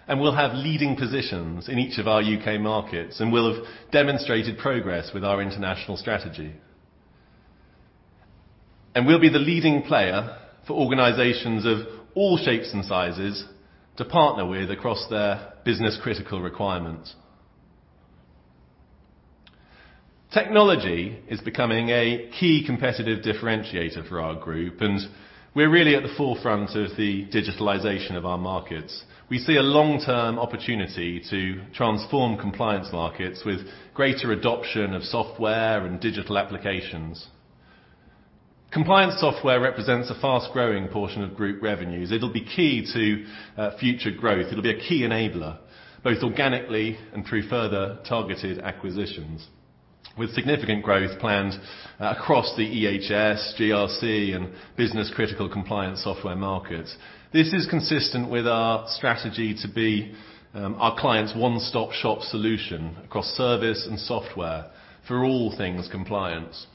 and we'll have leading positions in each of our U.K. markets, and we'll have demonstrated progress with our international strategy. We'll be the leading player for organizations of all shapes and sizes to partner with across their business-critical requirements. Technology is becoming a key competitive differentiator for our group, and we're really at the forefront of the digitalization of our markets. We see a long-term opportunity to transform compliance markets with greater adoption of software and digital applications. Compliance software represents a fast-growing portion of group revenues. It'll be key to future growth. It'll be a key enabler, both organically and through further targeted acquisitions, with significant growth planned across the EHS, GRC, and business-critical compliance software markets. This is consistent with our strategy to be our client's one-stop shop solution across service and software for all things compliance.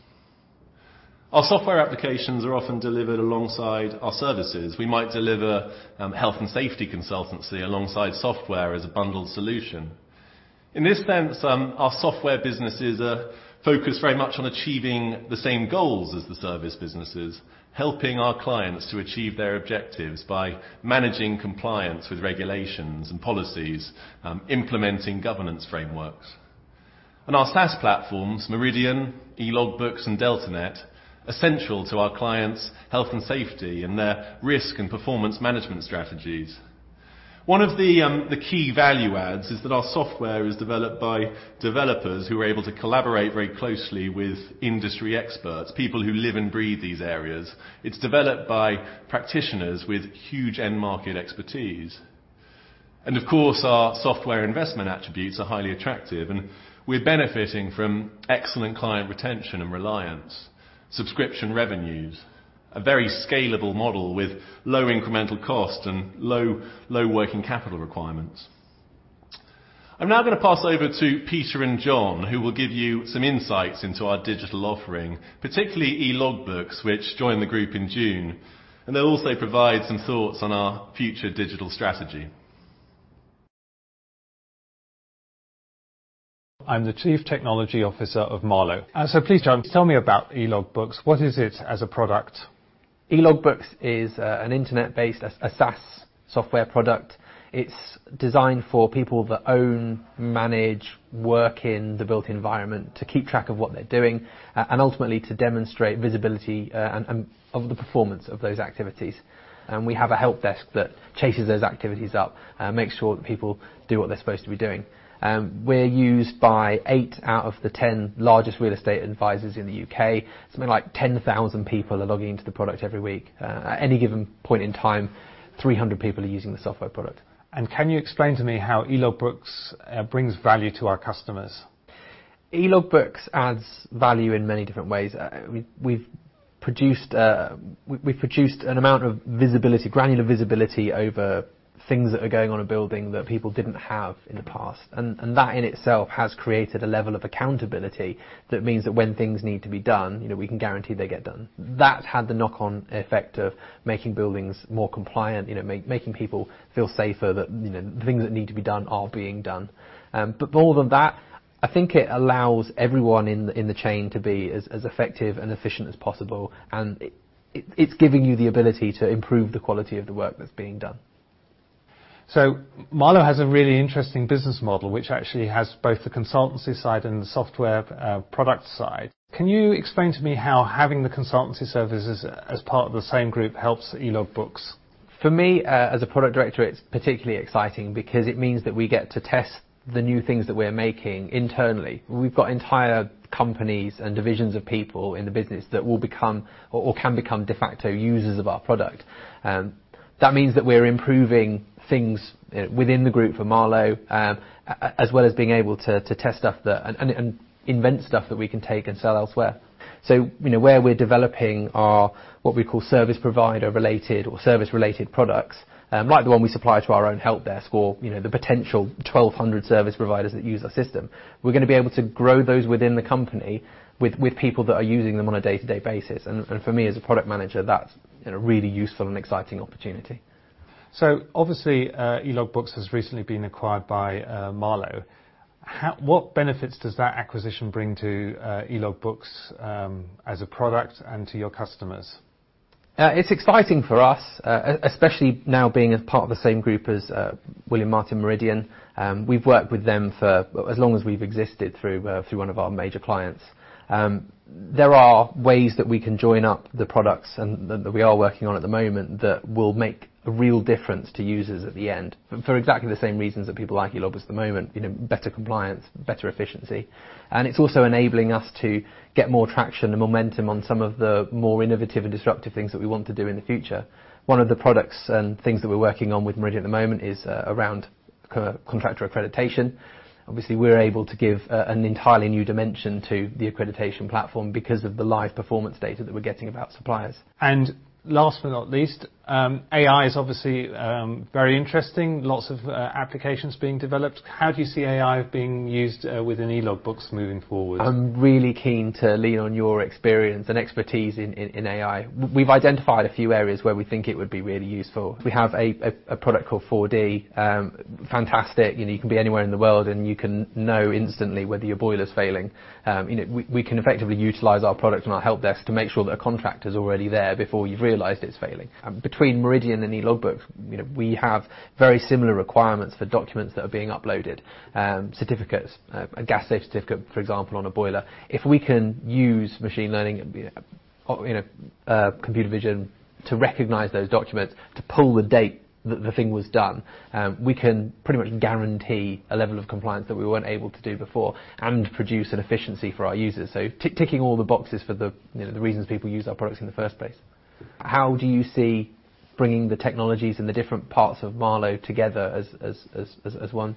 Our software applications are often delivered alongside our services. We might deliver health and safety consultancy alongside software as a bundled solution. In this sense, our software businesses are focused very much on achieving the same goals as the service businesses, helping our clients to achieve their objectives by managing compliance with regulations and policies, implementing governance frameworks. Our SaaS platforms, Meridian, Logbooks, and DeltaNet, are central to our clients' health and safety and their risk and performance management strategies. One of the key value adds is that our software is developed by developers who are able to collaborate very closely with industry experts, people who live and breathe these areas. It's developed by practitioners with huge end-market expertise. Of course, our software investment attributes are highly attractive, and we're benefiting from excellent client retention and reliance, subscription revenues, a very scalable model with low incremental costs and low working capital requirements. I'm now going to pass over to Peter and John, who will give you some insights into our digital offering, particularly Elogbooks, which joined the group in June, and they'll also provide some thoughts on our future digital strategy. I'm the Chief Technology Officer of Marlowe. Please, John, tell me about Elogbooks. What is it as a product? Logbooks is an internet-based SaaS software product. It's designed for people that own, manage, work in the built environment to keep track of what they're doing and ultimately to demonstrate visibility of the performance of those activities. And we have a help desk that chases those activities up and makes sure that people do what they're supposed to be doing. We're used by eight out of the 10 largest real estate advisors in the U.K. Something like 10,000 people are logging into the product every week. At any given point in time, 300 people are using the software product. And can you explain to me how Elogbooks brings value to our customers? E-ogbooks adds value in many different ways. We've produced an amount of visibility, granular visibility over things that are going on a building that people didn't have in the past. That in itself has created a level of accountability that means that when things need to be done, we can guarantee they get done. That had the knock-on effect of making buildings more compliant, making people feel safer that the things that need to be done are being done. But more than that, I think it allows everyone in the chain to be as effective and efficient as possible, and it's giving you the ability to improve the quality of the work that's being done. So Marlowe has a really interesting business model, which actually has both the consultancy side and the software product side. Can you explain to me how having the consultancy services as part of the same group helps Elogbooks? For me, as a product director, it's particularly exciting because it means that we get to test the new things that we're making internally. We've got entire companies and divisions of people in the business that will become or can become de facto users of our product. That means that we're improving things within the group for Marlowe as well as being able to test stuff and invent stuff that we can take and sell elsewhere. So where we're developing our what we call service provider-related or service-related products, like the one we supply to our own help desk or the potential 1,200 service providers that use our system, we're going to be able to grow those within the company with people that are using them on a day-to-day basis. And for me, as a product manager, that's a really useful and exciting opportunity. So obviously, Elogbooks has recently been acquired by Marlowe. What benefits does that acquisition bring to Elogbooks as a product and to your customers? It's exciting for us, especially now being a part of the same group as William Martin Meridian. We've worked with them for as long as we've existed through one of our major clients. There are ways that we can join up the products that we are working on at the moment that will make a real difference to users at the end for exactly the same reasons that people like Elogbooks at the moment: better compliance, better efficiency. And it's also enabling us to get more traction and momentum on some of the more innovative and disruptive things that we want to do in the future. One of the products and things that we're working on with Meridian at the moment is around contractor accreditation. Obviously, we're able to give an entirely new dimension to the accreditation platform because of the live performance data that we're getting about suppliers. Last but not least, AI is obviously very interesting. Lots of applications being developed. How do you see AI being used within Elogbooks moving forward? I'm really keen to lean on your experience and expertise in AI. We've identified a few areas where we think it would be really useful. We have a product called 4D. Fantastic. You can be anywhere in the world, and you can know instantly whether your boiler's failing. We can effectively utilize our product on our help desk to make sure that a contractor's already there before you've realized it's failing. Between Meridian and Logbooks, we have very similar requirements for documents that are being uploaded: certificates, a gas safety certificate, for example, on a boiler. If we can use machine learning and computer vision to recognize those documents to pull the date that the thing was done, we can pretty much guarantee a level of compliance that we weren't able to do before and produce an efficiency for our users. So ticking all the boxes for the reasons people use our products in the first place. How do you see bringing the technologies and the different parts of Marlowe together as one?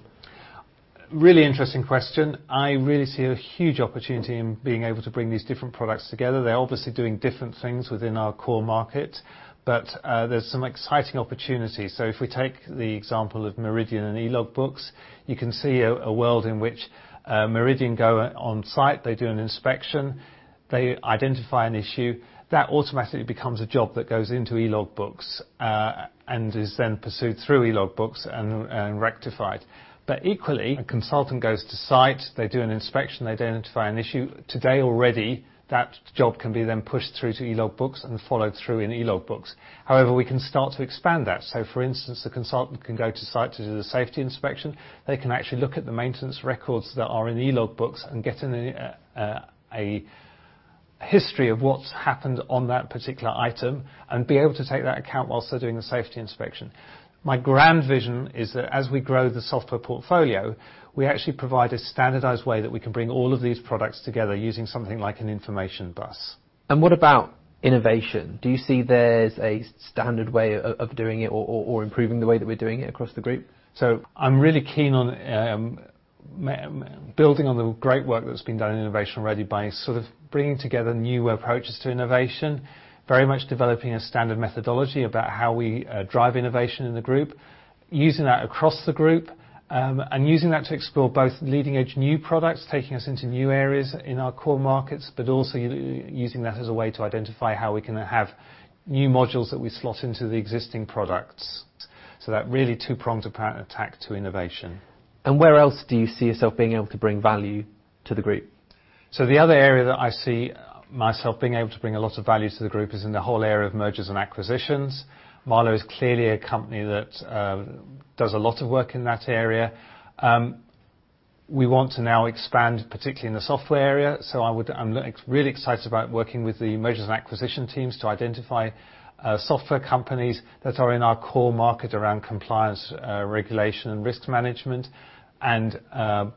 Really interesting question. I really see a huge opportunity in being able to bring these different products together. They're obviously doing different things within our core market, but there's some exciting opportunities. So if we take the example of Meridian and Elogbooks, you can see a world in which Meridian go on-site. They do an inspection. They identify an issue. That automatically becomes a job that goes into Elogbooks and is then pursued through Elogbooks and rectified. But equally, a consultant goes to site. They do an inspection. They identify an issue. Today, already, that job can be then pushed through to Elogbooks and followed through in Elogbooks. However, we can start to expand that. So for instance, the consultant can go to site to do the safety inspection. They can actually look at the maintenance records that are in Elogbooks and get a history of what's happened on that particular item and be able to take that account whilst they're doing the safety inspection. My grand vision is that as we grow the software portfolio, we actually provide a standardized way that we can bring all of these products together using something like an information bus. And what about innovation? Do you see there's a standard way of doing it or improving the way that we're doing it across the group? So I'm really keen on building on the great work that's been done in innovation already by sort of bringing together new approaches to innovation, very much developing a standard methodology about how we drive innovation in the group, using that across the group, and using that to explore both leading-edge new products, taking us into new areas in our core markets, but also using that as a way to identify how we can have new modules that we slot into the existing products. So that really two-pronged attack to innovation. And where else do you see yourself being able to bring value to the group? So the other area that I see myself being able to bring a lot of value to the group is in the whole area of mergers and acquisitions. Marlowe is clearly a company that does a lot of work in that area. We want to now expand, particularly in the software area. So I'm really excited about working with the mergers and acquisition teams to identify software companies that are in our core market around compliance, regulation, and risk management and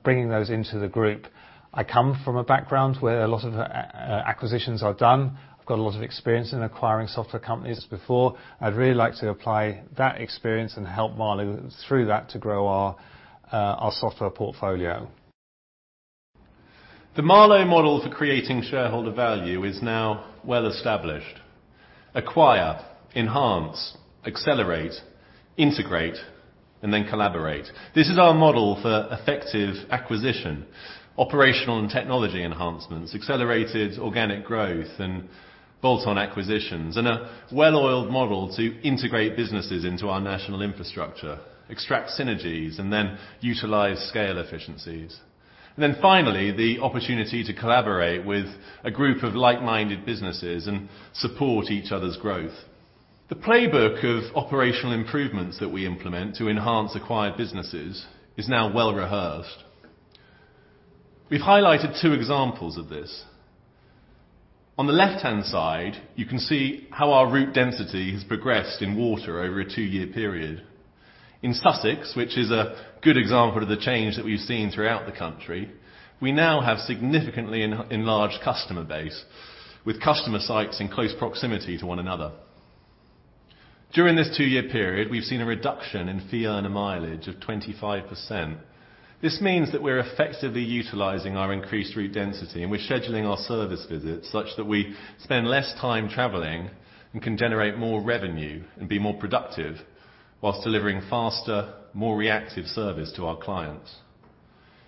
bringing those into the group. I come from a background where a lot of acquisitions are done. I've got a lot of experience in acquiring software companies before. I'd really like to apply that experience and help Marlowe through that to grow our software portfolio. The Marlowe model for creating shareholder value is now well established: acquire, enhance, accelerate, integrate, and then collaborate. This is our model for effective acquisition, operational and technology enhancements, accelerated organic growth, and bolt-on acquisitions, and a well-oiled model to integrate businesses into our national infrastructure, extract synergies, and then utilize scale efficiencies. And then finally, the opportunity to collaborate with a group of like-minded businesses and support each other's growth. The playbook of operational improvements that we implement to enhance acquired businesses is now well-rehearsed. We've highlighted two examples of this. On the left-hand side, you can see how our route density has progressed in water over a two-year period. In Sussex, which is a good example of the change that we've seen throughout the country, we now have a significantly enlarged customer base with customer sites in close proximity to one another. During this two-year period, we've seen a reduction in fuel and mileage of 25%. This means that we're effectively utilizing our increased route density, and we're scheduling our service visits such that we spend less time traveling and can generate more revenue and be more productive while delivering faster, more reactive service to our clients.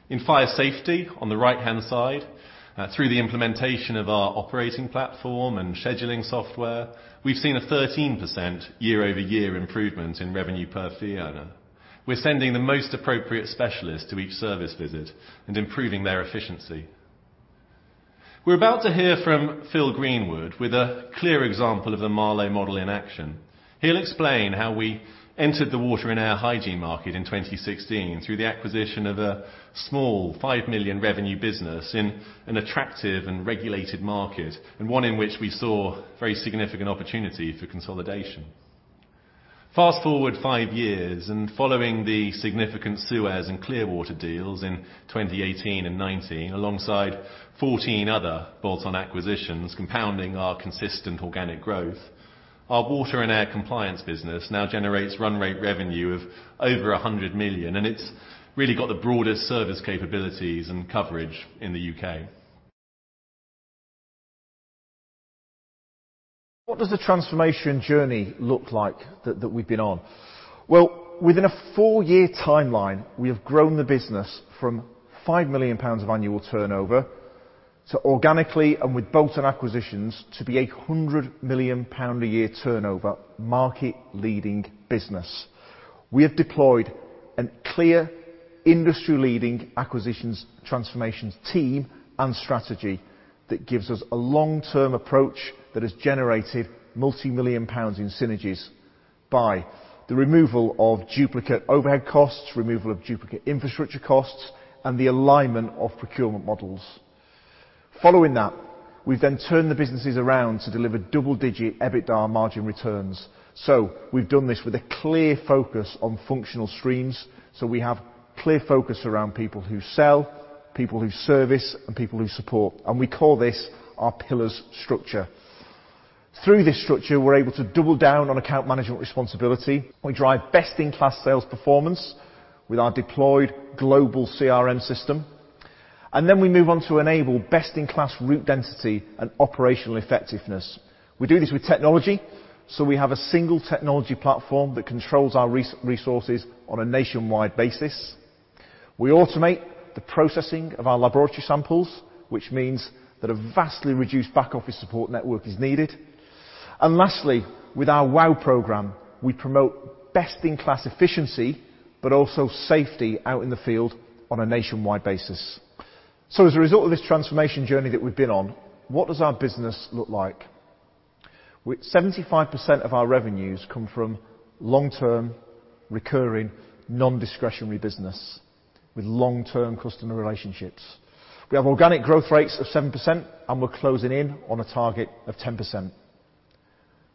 In fire safety, on the right-hand side, through the implementation of our operating platform and scheduling software, we've seen a 13% year-over-year improvement in revenue per field. We're sending the most appropriate specialists to each service visit and improving their efficiency. We're about to hear from Phil Greenwood with a clear example of the Marlowe model in action. He'll explain how we entered the water and air hygiene market in 2016 through the acquisition of a small 5 million revenue business in an attractive and regulated market, and one in which we saw very significant opportunity for consolidation. Fast forward five years, and following the significant SUEZ and Clearwater deals in 2018 and 2019, alongside 14 other bolt-on acquisitions compounding our consistent organic growth, our water and air compliance business now generates run rate revenue of over 100 million, and it's really got the broadest service capabilities and coverage in the U.K. What does the transformation journey look like that we've been on? Well, within a four year timeline, we have grown the business from 5 million pounds of annual turnover to organically and with bolt-on acquisitions to be a 100 million pound a year turnover, market-leading business. We have deployed a clear industry-leading acquisitions transformation team and strategy that gives us a long-term approach that has generated multi-million GBP in synergies by the removal of duplicate overhead costs, removal of duplicate infrastructure costs, and the alignment of procurement models. Following that, we've then turned the businesses around to deliver double-digit EBITDA margin returns. So we've done this with a clear focus on functional streams. So we have clear focus around people who sell, people who service, and people who support. And we call this our pillars structure. Through this structure, we're able to double down on account management responsibility. We drive best-in-class sales performance with our deployed global CRM system. And then we move on to enable best-in-class route density and operational effectiveness. We do this with technology. So we have a single technology platform that controls our resources on a nationwide basis. We automate the processing of our laboratory samples, which means that a vastly reduced back-office support network is needed. And lastly, with our WOW program, we promote best-in-class efficiency, but also safety out in the field on a nationwide basis. So as a result of this transformation journey that we've been on, what does our business look like? 75% of our revenues come from long-term recurring non-discretionary business with long-term customer relationships. We have organic growth rates of 7%, and we're closing in on a target of 10%.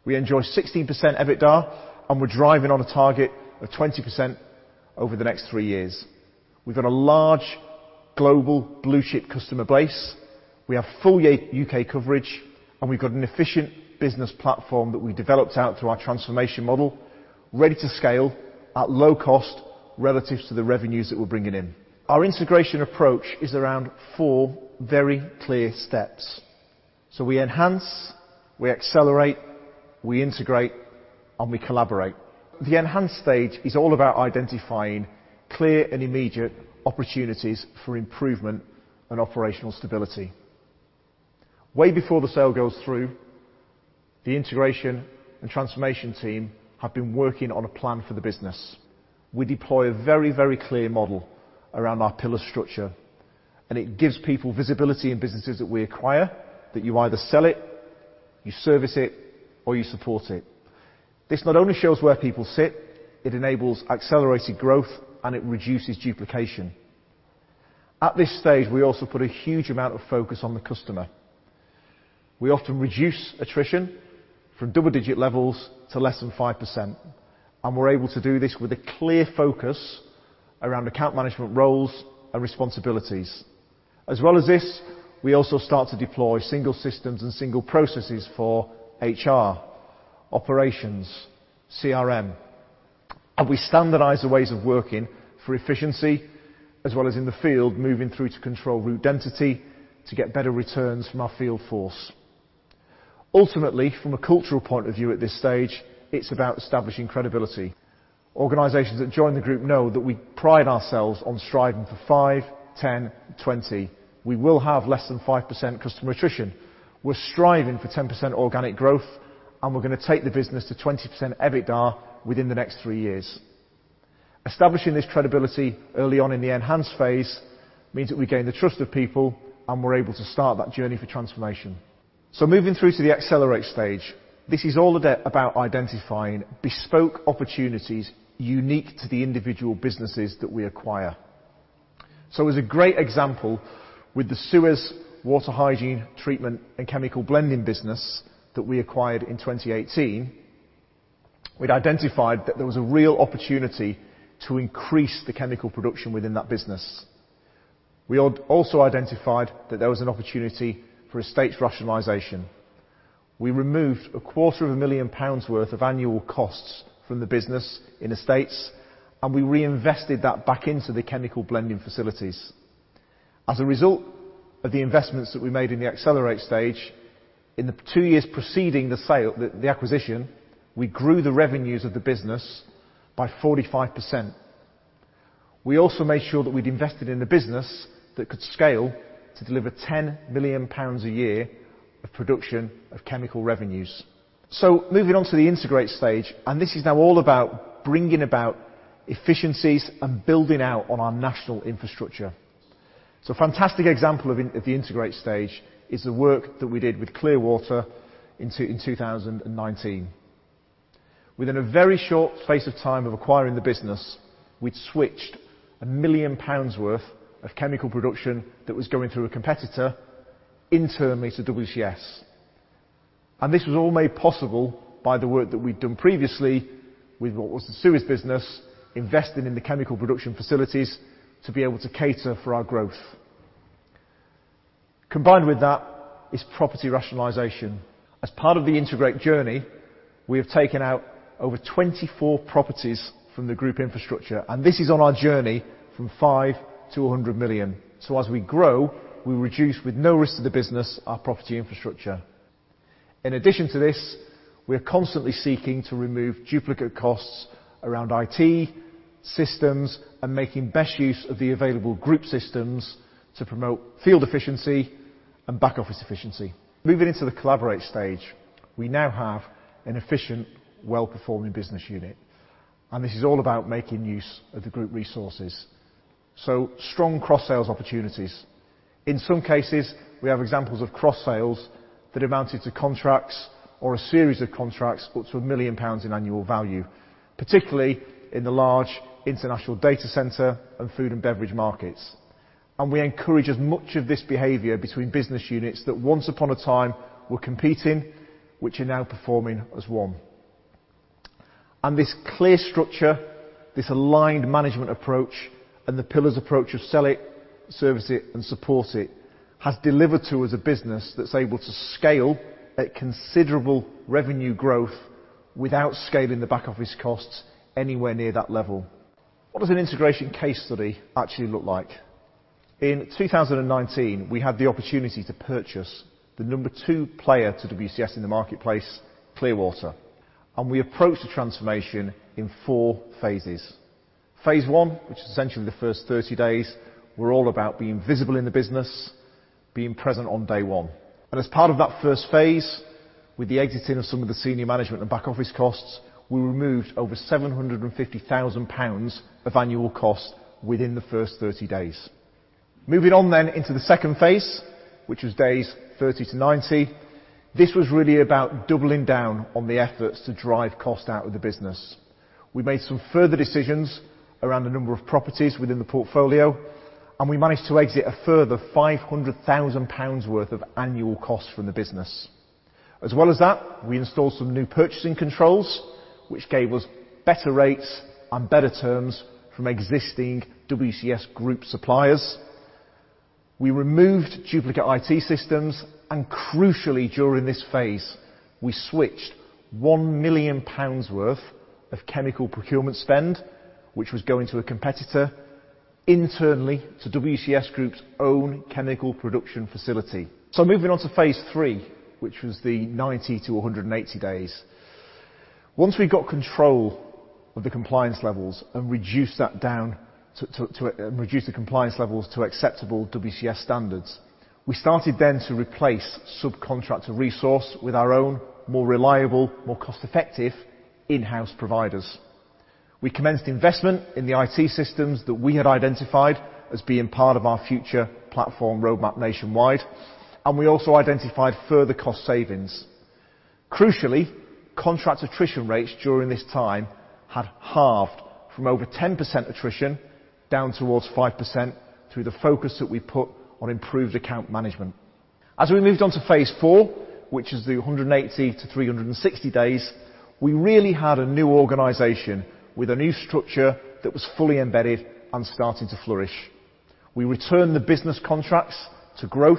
We enjoy 16% EBITDA, and we're driving on a target of 20% over the next three years. We've got a large global blue-chip customer base. We have full U.K. coverage, and we've got an efficient business platform that we developed out through our transformation model, ready to scale at low cost relative to the revenues that we're bringing in. Our integration approach is around 4 very clear steps. So we enhance, we accelerate, we integrate, and we collaborate. The enhanced stage is all about identifying clear and immediate opportunities for improvement and operational stability. Way before the sale goes through, the integration and transformation team have been working on a plan for the business. We deploy a very, very clear model around our pillar structure, and it gives people visibility in businesses that we acquire, that you either sell it, you service it, or you support it. This not only shows where people sit, it enables accelerated growth, and it reduces duplication. At this stage, we also put a huge amount of focus on the customer. We often reduce attrition from double-digit levels to less than 5%, and we're able to do this with a clear focus around account management roles and responsibilities. As well as this, we also start to deploy single systems and single processes for HR, operations, CRM. We standardize the ways of working for efficiency, as well as in the field, moving through to control root density to get better returns from our field force. Ultimately, from a cultural point of view at this stage, it's about establishing credibility. Organizations that join the group know that we pride ourselves on striving for five, 10, 20. We will have less than 5% customer attrition. We're striving for 10% organic growth, and we're going to take the business to 20% EBITDA within the next three years. Establishing this credibility early on in the enhanced phase means that we gain the trust of people, and we're able to start that journey for transformation. Moving through to the accelerate stage, this is all about identifying bespoke opportunities unique to the individual businesses that we acquire. So as a great example, with the SUEZ, water hygiene, treatment, and chemical blending business that we acquired in 2018, we'd identified that there was a real opportunity to increase the chemical production within that business. We also identified that there was an opportunity for estate rationalization. We removed 250,000 pounds worth of annual costs from the business in estates, and we reinvested that back into the chemical blending facilities. As a result of the investments that we made in the accelerate stage, in the two years preceding the acquisition, we grew the revenues of the business by 45%. We also made sure that we'd invested in the business that could scale to deliver 10 million pounds a year of production of chemical revenues. So moving on to the integrate stage, and this is now all about bringing about efficiencies and building out on our national infrastructure. So a fantastic example of the integrate stage is the work that we did with Clearwater in 2019. Within a very short space of time of acquiring the business, we'd switched 1 million pounds worth of chemical production that was going through a competitor internally to WCS. And this was all made possible by the work that we'd done previously with what was the SUEZ business, investing in the chemical production facilities to be able to cater for our growth. Combined with that is property rationalization. As part of the integrate journey, we have taken out over 24 properties from the group infrastructure, and this is on our journey from 5 million to 100 million. So as we grow, we reduce with no risk to the business our property infrastructure. In addition to this, we are constantly seeking to remove duplicate costs around IT systems and making best use of the available group systems to promote field efficiency and back-office efficiency. Moving into the collaborate stage, we now have an efficient, well-performing business unit, and this is all about making use of the group resources. So strong cross-sell opportunities. In some cases, we have examples of cross-sell that amounted to contracts or a series of contracts up to 1 million pounds in annual value, particularly in the large international data center and food and beverage markets. And we encourage as much of this behavior between business units that once upon a time were competing, which are now performing as one. This clear structure, this aligned management approach, and the pillars approach of sell it, service it, and support it has delivered to us a business that's able to scale at considerable revenue growth without scaling the back-office costs anywhere near that level. What does an integration case study actually look like? In 2019, we had the opportunity to purchase the number 2 player to WCS in the marketplace, Clearwater. And we approached the transformation in 4 phases. phase I, which is essentially the first 30 days, were all about being visible in the business, being present on day one. And as part of that first phase, with the exiting of some of the senior management and back-office costs, we removed over £750,000 of annual cost within the first 30 days. Moving on then into the second phase, which was days 30 to 90, this was really about doubling down on the efforts to drive cost out of the business. We made some further decisions around the number of properties within the portfolio, and we managed to exit a further 500,000 pounds worth of annual costs from the business. As well as that, we installed some new purchasing controls, which gave us better rates and better terms from existing WCS Group suppliers. We removed duplicate IT systems, and crucially during this phase, we switched 1 million pounds worth of chemical procurement spend, which was going to a competitor internally to WCS Group's own chemical production facility. So moving on to phase III, which was the 90 to 180 days. Once we got control of the compliance levels and reduced that down to and reduced the compliance levels to acceptable WCS standards, we started then to replace subcontract resource with our own more reliable, more cost-effective in-house providers. We commenced investment in the IT systems that we had identified as being part of our future platform roadmap nationwide, and we also identified further cost savings. Crucially, contract attrition rates during this time had halved from over 10% attrition down towards 5% through the focus that we put on improved account management. As we moved on to phase IV, which is the 180 to 360 days, we really had a new organization with a new structure that was fully embedded and starting to flourish. We returned the business contracts to growth.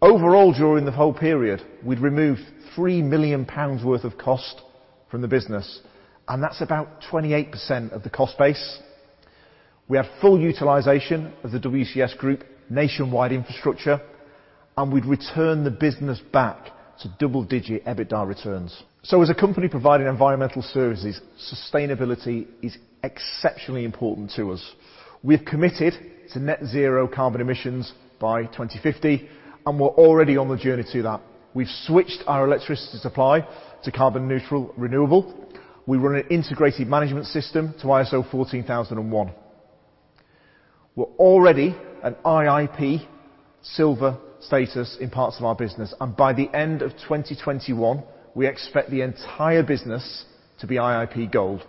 Overall, during the whole period, we'd removed 3 million pounds worth of cost from the business, and that's about 28% of the cost base. We had full utilization of the WCS Group nationwide infrastructure, and we'd return the business back to double-digit EBITDA returns. So as a company providing environmental services, sustainability is exceptionally important to us. We've committed to Net Zero carbon emissions by 2050, and we're already on the journey to that. We've switched our electricity supply to carbon-neutral renewable. We run an integrated management system to ISO 14001. We're already an IIP silver status in parts of our business, and by the end of 2021, we expect the entire business to be IIP gold.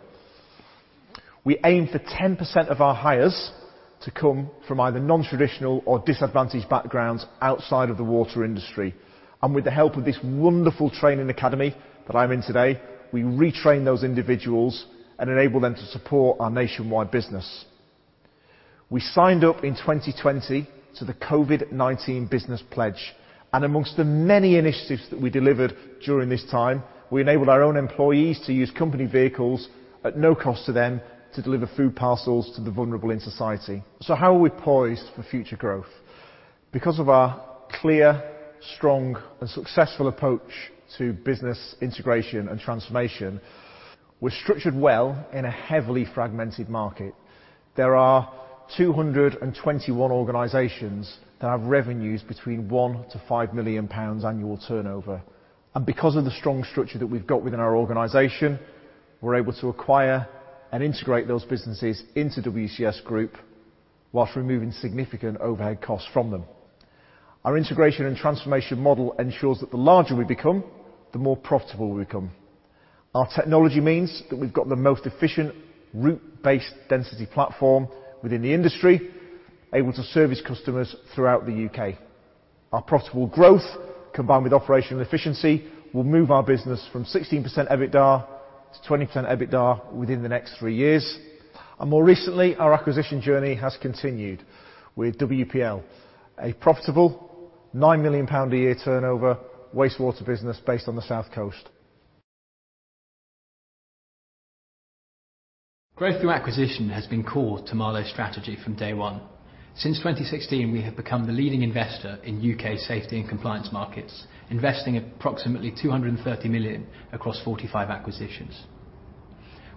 We aim for 10% of our hires to come from either non-traditional or disadvantaged backgrounds outside of the water industry. With the help of this wonderful training academy that I'm in today, we retrain those individuals and enable them to support our nationwide business. We signed up in 2020 to the COVID-19 business pledge, and among the many initiatives that we delivered during this time, we enabled our own employees to use company vehicles at no cost to them to deliver food parcels to the vulnerable in society. So how are we poised for future growth? Because of our clear, strong, and successful approach to business integration and transformation, we're structured well in a heavily fragmented market. There are 221 organizations that have revenues between 1-5 million pounds annual turnover. Because of the strong structure that we've got within our organization, we're able to acquire and integrate those businesses into WCS Group while removing significant overhead costs from them. Our integration and transformation model ensures that the larger we become, the more profitable we become. Our technology means that we've got the most efficient route-based density platform within the industry, able to service customers throughout the U.K. Our profitable growth, combined with operational efficiency, will move our business from 16% EBITDA to 20% EBITDA within the next three years. More recently, our acquisition journey has continued with WPL, a profitable £9 million a year turnover wastewater business based on the South Coast. Growth through acquisition has been core to Marlowe's strategy from day one. Since 2016, we have become the leading investor in U.K. safety and compliance markets, investing approximately £230 million across 45 acquisitions.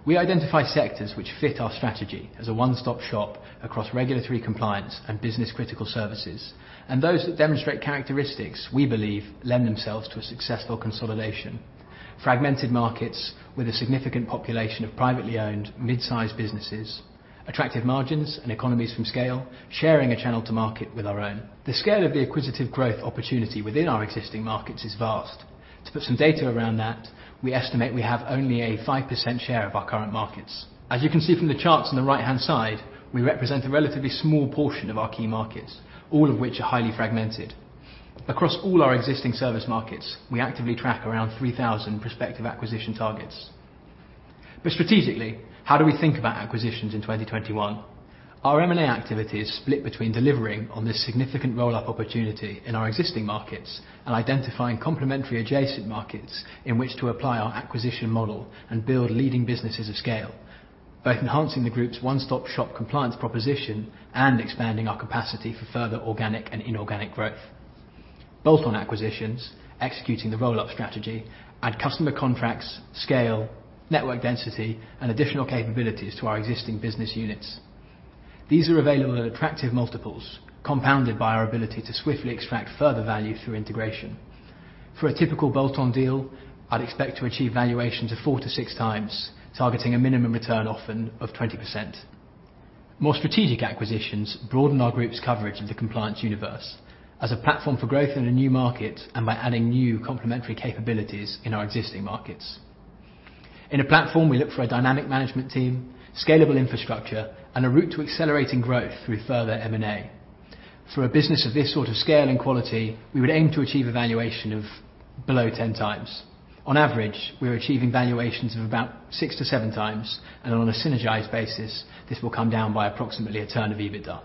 We identify sectors which fit our strategy as a one-stop shop across regulatory compliance and business-critical services, and those that demonstrate characteristics we believe lend themselves to a successful consolidation: fragmented markets with a significant population of privately owned mid-sized businesses, attractive margins, and economies of scale, sharing a channel to market with our own. The scale of the acquisitive growth opportunity within our existing markets is vast. To put some data around that, we estimate we have only a 5% share of our current markets. As you can see from the charts on the right-hand side, we represent a relatively small portion of our key markets, all of which are highly fragmented. Across all our existing service markets, we actively track around 3,000 prospective acquisition targets. But strategically, how do we think about acquisitions in 2021? Our M&A activity is split between delivering on this significant roll-up opportunity in our existing markets and identifying complementary adjacent markets in which to apply our acquisition model and build leading businesses of scale, both enhancing the group's one-stop shop compliance proposition and expanding our capacity for further organic and inorganic growth. Bolt-on acquisitions, executing the roll-up strategy, add customer contracts, scale, network density, and additional capabilities to our existing business units. These are available at attractive multiples, compounded by our ability to swiftly extract further value through integration. For a typical bolt-on deal, I'd expect to achieve valuations of 4x-6x, targeting a minimum return often of 20%. More strategic acquisitions broaden our group's coverage of the compliance universe as a platform for growth in a new market and by adding new complementary capabilities in our existing markets. In a platform, we look for a dynamic management team, scalable infrastructure, and a route to accelerating growth through further M&A. For a business of this sort of scale and quality, we would aim to achieve a valuation of below 10x. On average, we're achieving valuations of about 6x-7x, and on a synergized basis, this will come down by approximately a turn of EBITDA.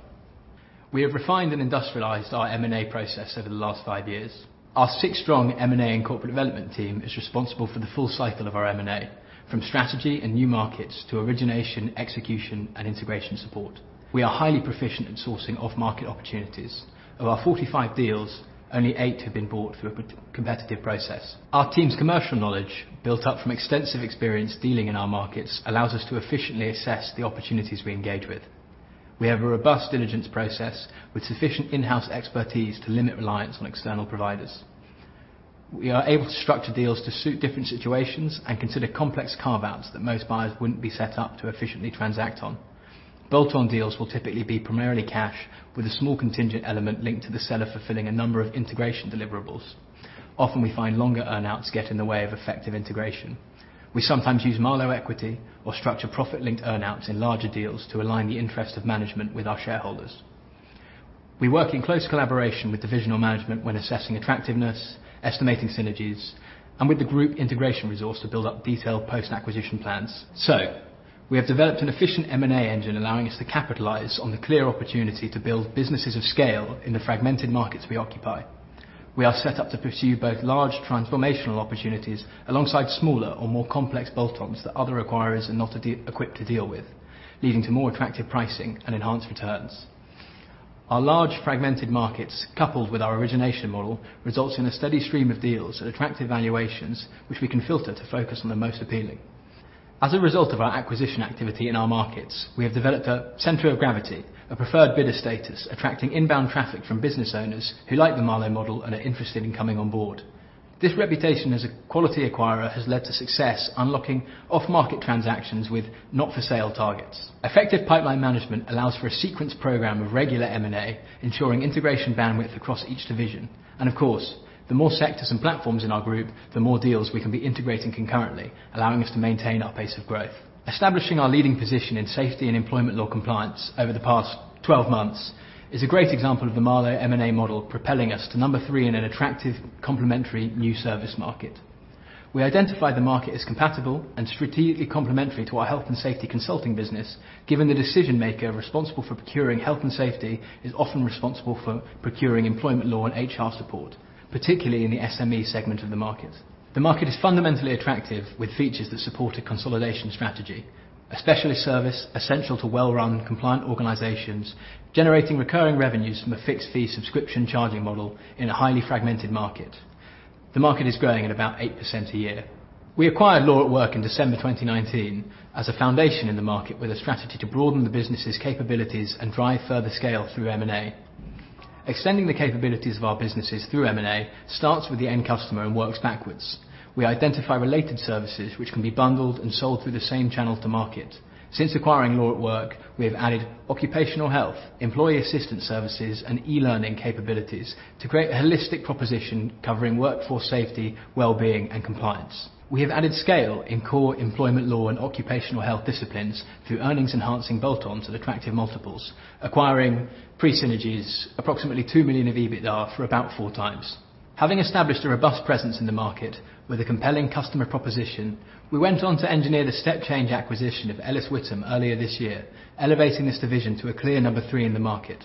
We have refined and industrialized our M&A process over the last five years. Our six strong M&A and corporate development team is responsible for the full cycle of our M&A, from strategy and new markets to origination, execution, and integration support. We are highly proficient at sourcing off-market opportunities. Of our 45 deals, only eight have been bought through a competitive process. Our team's commercial knowledge, built up from extensive experience dealing in our markets, allows us to efficiently assess the opportunities we engage with. We have a robust diligence process with sufficient in-house expertise to limit reliance on external providers. We are able to structure deals to suit different situations and consider complex carve-outs that most buyers wouldn't be set up to efficiently transact on. Bolt-on deals will typically be primarily cash, with a small contingent element linked to the seller fulfilling a number of integration deliverables. Often, we find longer earnouts get in the way of effective integration. We sometimes use Marlowe Equity or structure profit-linked earnouts in larger deals to align the interest of management with our shareholders. We work in close collaboration with divisional management when assessing attractiveness, estimating synergies, and with the group integration resource to build up detailed post-acquisition plans. We have developed an efficient M&A engine allowing us to capitalize on the clear opportunity to build businesses of scale in the fragmented markets we occupy. We are set up to pursue both large transformational opportunities alongside smaller or more complex bolt-ons that other acquirers are not equipped to deal with, leading to more attractive pricing and enhanced returns. Ou r large fragmented markets, coupled with our origination model, result in a steady stream of deals at attractive valuations, which we can filter to focus on the most appealing. As a result of our acquisition activity in our markets, we have developed a center of gravity, a preferred bidder status, attracting inbound traffic from business owners who like the Marlowe model and are interested in coming on board. This reputation as a quality acquirer has led to success unlocking off-market transactions with not-for-sale targets. Effective pipeline management allows for a sequence program of regular M&A, ensuring integration bandwidth across each division. And of course, the more sectors and platforms in our group, the more deals we can be integrating concurrently, allowing us to maintain our pace of growth. Establishing our leading position in safety and employment law compliance over the past 12 months is a great example of the Marlowe M&A model propelling us to number three in an attractive complementary new service market. We identify the market as compatible and strategically complementary to our health and safety consulting business, given the decision-maker responsible for procuring health and safety is often responsible for procuring employment law and HR support, particularly in the SME segment of the market. The market is fundamentally attractive with features that support a consolidation strategy, a specialist service essential to well-run compliant organizations generating recurring revenues from a fixed-fee subscription charging model in a highly fragmented market. The market is growing at about 8% a year. We acquired Law At Work in December 2019 as a foundation in the market with a strategy to broaden the business's capabilities and drive further scale through M&A. Extending the capabilities of our businesses through M&A starts with the end customer and works backwards. We identify related services which can be bundled and sold through the same channel to market. Since acquiring Law At Work, we have added occupational health, employee assistance services, and e-learning capabilities to create a holistic proposition covering workforce safety, well-being, and compliance. We have added scale in core employment law and occupational health disciplines through earnings-enhancing bolt-ons at attractive multiples, acquiring pre-synergies approximately 2 million of EBITDA for about 4x. Having established a robust presence in the market with a compelling customer proposition, we went on to engineer the step-change acquisition of Ellis Whittam earlier this year, elevating this division to a clear number three in the market.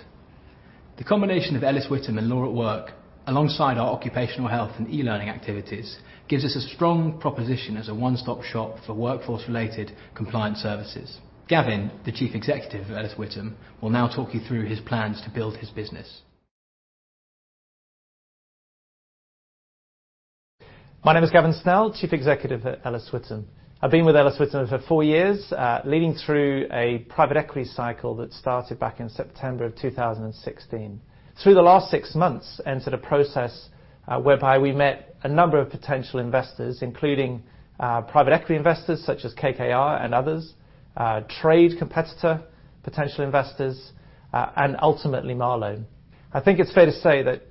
The combination of Ellis Whittam and Law At Work, alongside our occupational health and e-learning activities, gives us a strong proposition as a one-stop shop for workforce-related compliance services. Gavin, the Chief Executive of Ellis Whittam, will now talk you through his plans to build his business. My name is Gavin Snell, Chief Executive at Ellis Whittam. I've been with Ellis Whittam for four years, leading through a private equity cycle that started back in September of 2016. Through the last six months, I entered a process whereby we met a number of potential investors, including private equity investors such as KKR and others, trade competitor potential investors, and ultimately Marlowe. I think it's fair to say that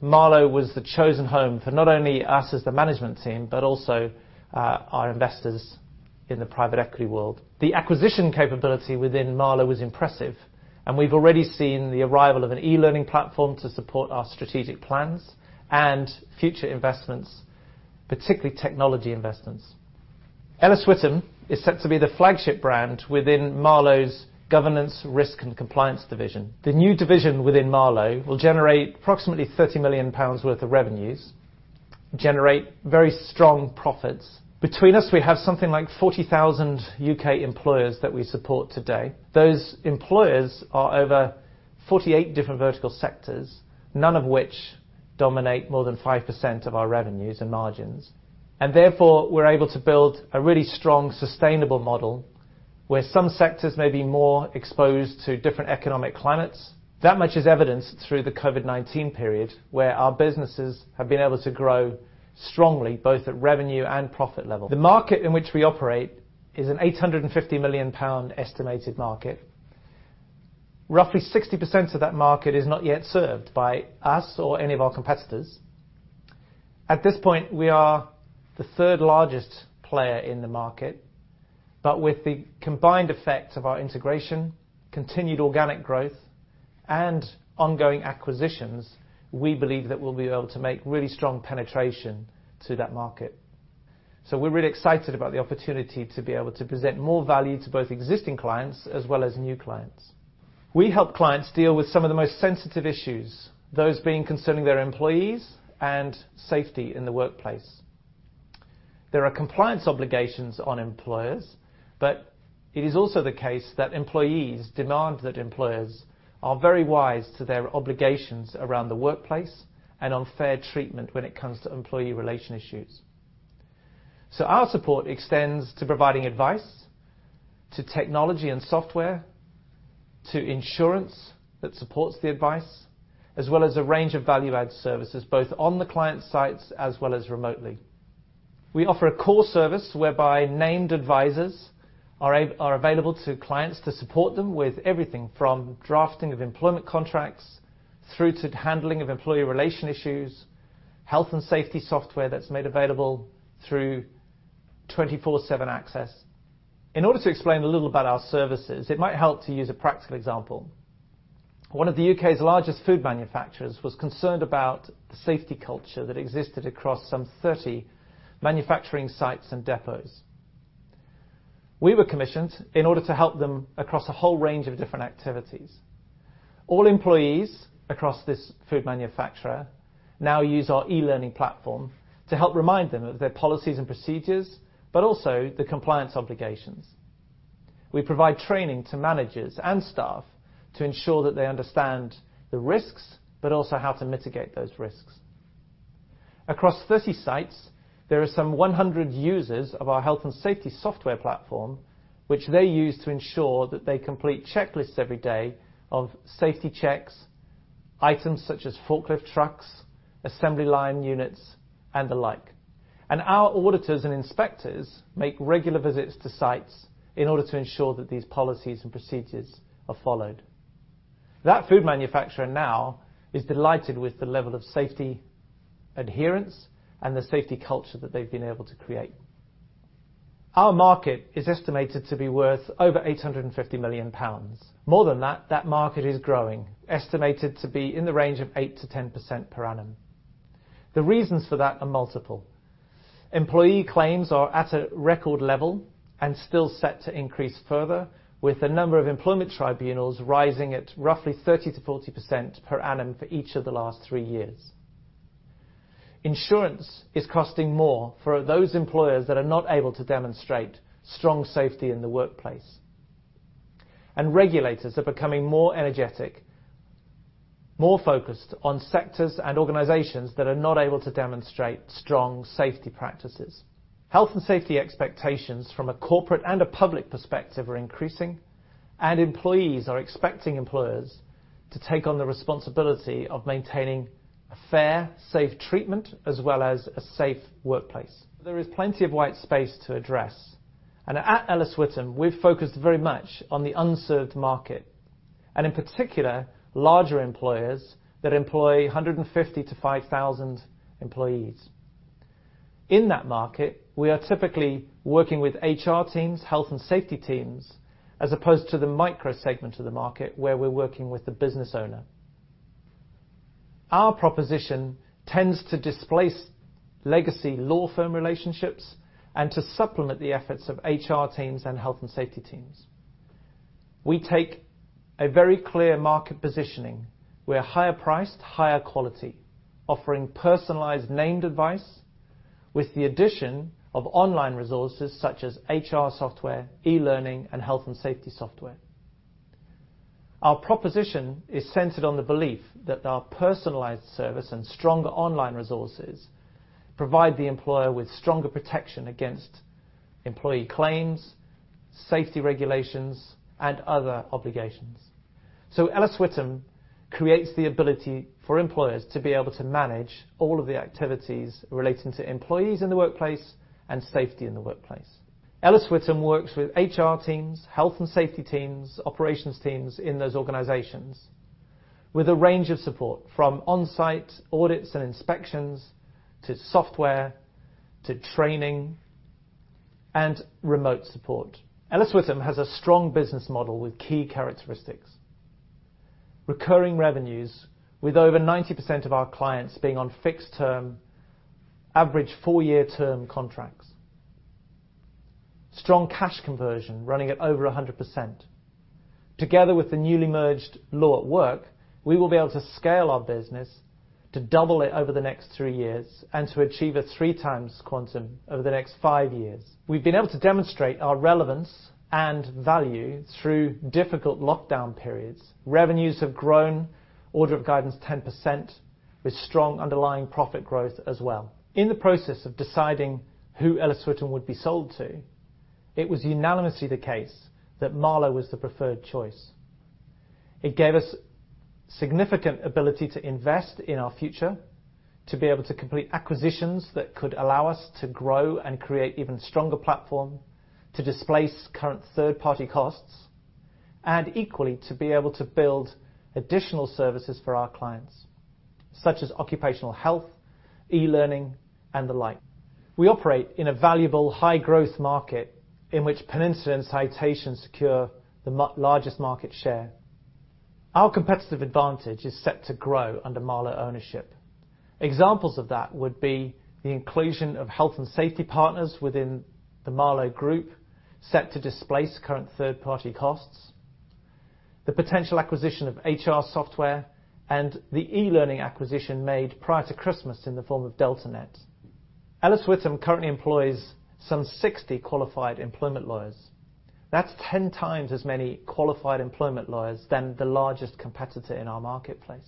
Marlowe was the chosen home for not only us as the management team but also our investors in the private equity world. The acquisition capability within Marlowe was impressive, and we've already seen the arrival of an e-learning platform to support our strategic plans and future investments, particularly technology investments. Ellis Whittam is set to be the flagship brand within Marlowe's governance, risk, and compliance division. The new division within Marlowe will generate approximately 30 million pounds worth of revenues, generate very strong profits. Between us, we have something like 40,000 U.K. employers that we support today. Those employers are over 48 different vertical sectors, none of which dominate more than 5% of our revenues and margins. Therefore, we're able to build a really strong, sustainable model where some sectors may be more exposed to different economic climates. That much is evidenced through the COVID-19 period, where our businesses have been able to grow strongly both at revenue and profit level. The market in which we operate is a 850 million pound estimated market. Roughly 60% of that market is not yet served by us or any of our competitors. At this point, we are the third largest player in the market, but with the combined effect of our integration, continued organic growth, and ongoing acquisitions, we believe that we'll be able to make really strong penetration to that market. So we're really excited about the opportunity to be able to present more value to both existing clients as well as new clients. We help clients deal with some of the most sensitive issues, those being concerning their employees and safety in the workplace. There are compliance obligations on employers, but it is also the case that employees demand that employers are very wise to their obligations around the workplace and on fair treatment when it comes to employee relation issues. So our support extends to providing advice, to technology and software, to insurance that supports the advice, as well as a range of value-added services both on the client's sites as well as remotely. We offer a core service whereby named advisors are available to clients to support them with everything from drafting of employment contracts through to handling of employee relation issues, health and safety software that's made available through 24/7 access. In order to explain a little about our services, it might help to use a practical example. One of the U.K.'s largest food manufacturers was concerned about the safety culture that existed across some 30 manufacturing sites and depots. We were commissioned in order to help them across a whole range of different activities. All employees across this food manufacturer now use our e-learning platform to help remind them of their policies and procedures, but also the compliance obligations. We provide training to managers and staff to ensure that they understand the risks, but also how to mitigate those risks. Across 30 sites, there are some 100 users of our health and safety software platform, which they use to ensure that they complete checklists every day of safety checks, items such as forklift trucks, assembly line units, and the like. Our auditors and inspectors make regular visits to sites in order to ensure that these policies and procedures are followed. That food manufacturer now is delighted with the level of safety adherence and the safety culture that they've been able to create. Our market is estimated to be worth over 850 million pounds. More than that, that market is growing, estimated to be in the range of 8%-10% per annum. The reasons for that are multiple. Employee claims are at a record level and still set to increase further, with the number of employment tribunals rising at roughly 30%-40% per annum for each of the last three years. Insurance is costing more for those employers that are not able to demonstrate strong safety in the workplace. Regulators are becoming more energetic, more focused on sectors and organizations that are not able to demonstrate strong safety practices. Health and safety expectations from a corporate and a public perspective are increasing, and employees are expecting employers to take on the responsibility of maintaining a fair, safe treatment as well as a safe workplace. There is plenty of white space to address. At Ellis Whittam, we've focused very much on the unserved market, and in particular, larger employers that employee 150 to 5,000 employees. In that market, we are typically working with HR teams, health and safety teams, as opposed to the micro segment of the market where we're working with the business owner. Our proposition tends to displace legacy law firm relationships and to supplement the efforts of HR teams and health and safety teams. We take a very clear market positioning. We are higher priced, higher quality, offering personalized named advice with the addition of online resources such as HR software, e-learning, and health and safety software. Our proposition is centered on the belief that our personalized service and stronger online resources provide the employer with stronger protection against employee claims, safety regulations, and other obligations. Ellis Whittam creates the ability for employers to be able to manage all of the activities relating to employees in the workplace and safety in the workplace. Ellis Whittam works with HR teams, health and safety teams, operations teams in those organizations, with a range of support from on-site audits and inspections to software to training and remote support. Ellis Whittam has a strong business model with key characteristics: recurring revenues, with over 90% of our clients being on fixed-term, average four-year-term contracts. Strong cash conversion running at over 100%. Together with the newly merged Law At Work, we will be able to scale our business to double it over the next three years and to achieve a 3x quantum over the next five years. We've been able to demonstrate our relevance and value through difficult lockdown periods. Revenues have grown order of guidance 10% with strong underlying profit growth as well. In the process of deciding who Ellis Whittam would be sold to, it was unanimously the case that Marlowe was the preferred choice. It gave us significant ability to invest in our future, to be able to complete acquisitions that could allow us to grow and create even stronger platform, to displace current third-party costs, and equally to be able to build additional services for our clients, such as occupational health, e-learning, and the like. We operate in a valuable high-growth market in which Peninsula, Citation secure the largest market share. Our competitive advantage is set to grow under Marlowe ownership. Examples of that would be the inclusion of health and safety partners within the Marlowe group, set to displace current third-party costs, the potential acquisition of HR software, and the e-learning acquisition made prior to Christmas in the form of DeltaNet. Ellis Whittam currently employs some 60 qualified employment lawyers. That's 10x as many qualified employment lawyers than the largest competitor in our marketplace.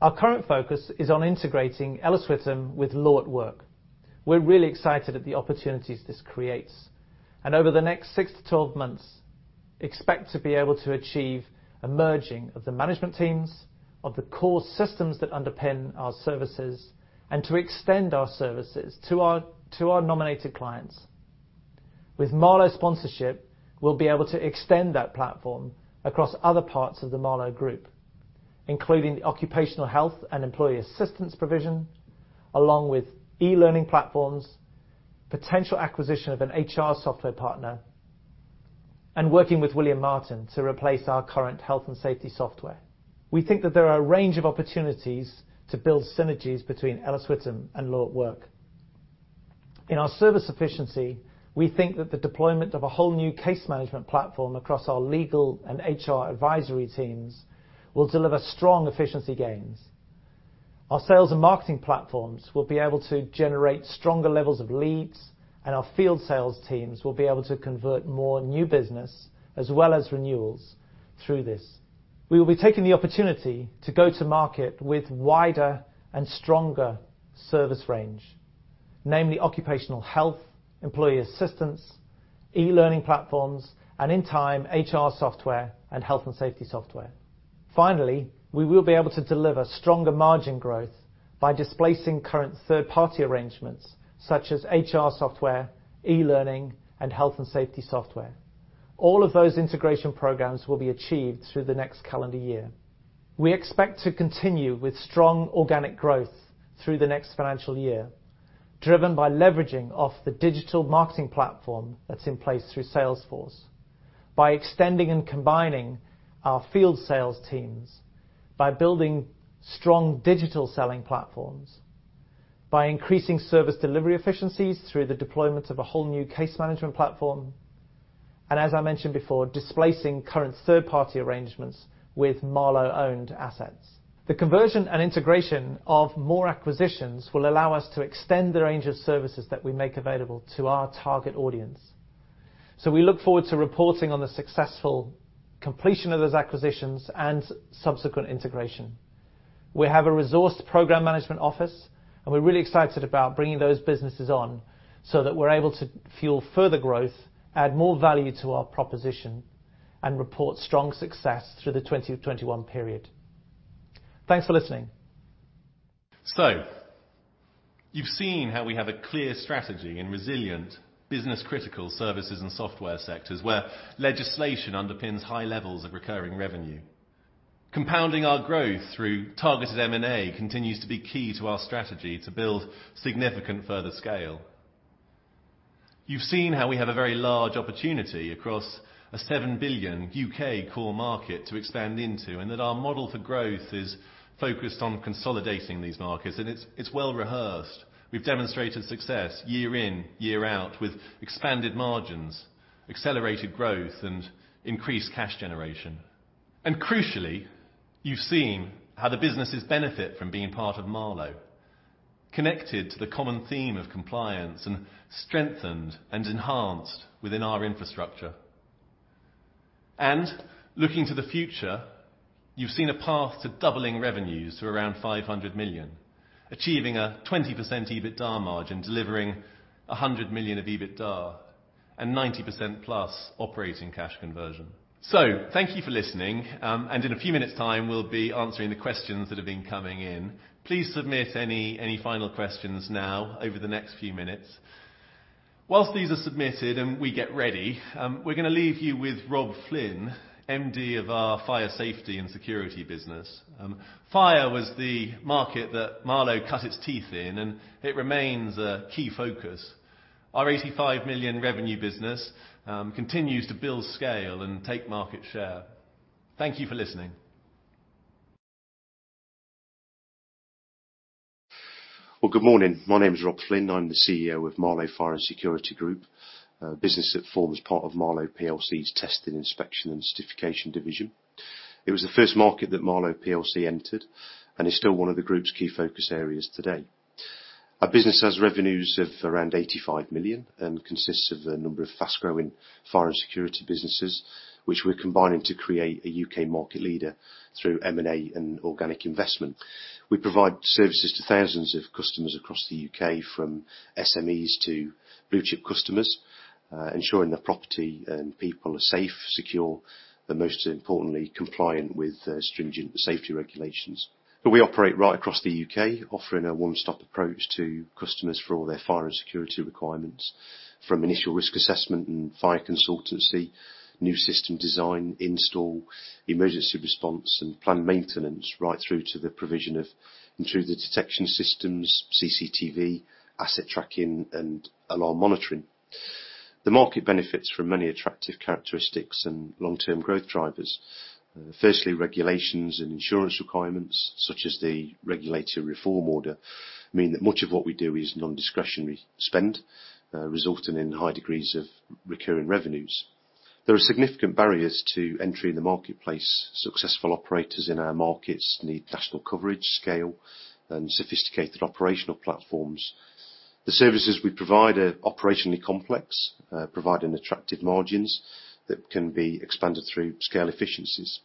Our current focus is on integrating Ellis Whittam with Law At Work. We're really excited at the opportunities this creates. Over the next six-12 months, expect to be able to achieve a merging of the management teams, of the core systems that underpin our services, and to extend our services to our nominated clients. With Marlowe sponsorship, we'll be able to extend that platform across other parts of the Marlowe group, including the occupational health and employee assistance provision, along with e-learning platforms, potential acquisition of an HR software partner, and working with William Martin to replace our current health and safety software. We think that there are a range of opportunities to build synergies between Ellis Whittam and Law At Work. In our service efficiency, we think that the deployment of a whole new case management platform across our legal and HR advisory teams will deliver strong efficiency gains. Our sales and marketing platforms will be able to generate stronger levels of leads, and our field sales teams will be able to convert more new business as well as renewals through this. We will be taking the opportunity to go to market with wider and stronger service range, namely occupational health, employee assistance, e-learning platforms, and in time, HR software and health and safety software. Finally, we will be able to deliver stronger margin growth by displacing current third-party arrangements such as HR software, e-learning, and health and safety software. All of those integration programs will be achieved through the next calendar year. We expect to continue with strong organic growth through the next financial year, driven by leveraging off the digital marketing platform that's in place through Salesforce, by extending and combining our field sales teams, by building strong digital selling platforms, by increasing service delivery efficiencies through the deployment of a whole new case management platform, and as I mentioned before, displacing current third-party arrangements with Marlowe-owned assets. The conversion and integration of more acquisitions will allow us to extend the range of services that we make available to our target audience. We look forward to reporting on the successful completion of those acquisitions and subsequent integration. We have a resourced program management office, and we're really excited about bringing those businesses on so that we're able to fuel further growth, add more value to our proposition, and report strong success through the 2021 period. Thanks for listening. So, you've seen how we have a clear strategy in resilient business-critical services and software sectors where legislation underpins high levels of recurring revenue. Compounding our growth through targeted M&A continues to be key to our strategy to build significant further scale. You've seen how we have a very large opportunity across a 7 billion U.K. core market to expand into, and that our model for growth is focused on consolidating these markets, and it's well-rehearsed. We've demonstrated success year in, year out with expanded margins, accelerated growth, and increased cash generation. And crucially, you've seen how the businesses benefit from being part of Marlowe, connected to the common theme of compliance and strengthened and enhanced within our infrastructure. Looking to the future, you've seen a path to doubling revenues to around 500 million, achieving a 20% EBITDA margin, delivering 100 million of EBITDA and 90%+ operating cash conversion. So thank you for listening, and in a few minutes' time, we'll be answering the questions that have been coming in. Please submit any final questions now over the next few minutes. While these are submitted and we get ready, we're going to leave you with Rob Flynn, MD of our fire safety and security business. Fire was the market that Marlowe cut its teeth in, and it remains a key focus. Our 85 million revenue business continues to build scale and take market share. Thank you for listening. Well, good morning. My name is Rob Flynn. I'm the CEO of Marlowe Fire and Security Group, a business that forms part of Marlowe PLC's testing, inspection, and certification division. It was the first market that Marlowe PLC entered and is still one of the group's key focus areas today. Our business has revenues of around 85 million and consists of a number of fast-growing fire and security businesses, which we're combining to create a U.K. market leader through M&A and organic investment. We provide services to thousands of customers across the U.K., from SMEs to blue-chip customers, ensuring that property and people are safe, secure, but most importantly, compliant with stringent safety regulations. But we operate right across the U.K., offering a one-stop approach to customers for all their fire and security requirements, from initial risk assessment and fire consultancy, new system design, install, emergency response, and planned maintenance, right through to the provision of intruder detection systems, CCTV, asset tracking, and alarm monitoring. The market benefits from many attractive characteristics and long-term growth drivers. Firstly, regulations and insurance requirements, such as the Regulatory Reform Order, mean that much of what we do is non-discretionary spend, resulting in high degrees of recurring revenues. There are significant barriers to entry in the marketplace. Successful operators in our markets need national coverage, scale, and sophisticated operational platforms. The services we provide are operationally complex, providing attractive margins that can be expanded through scale efficiencies.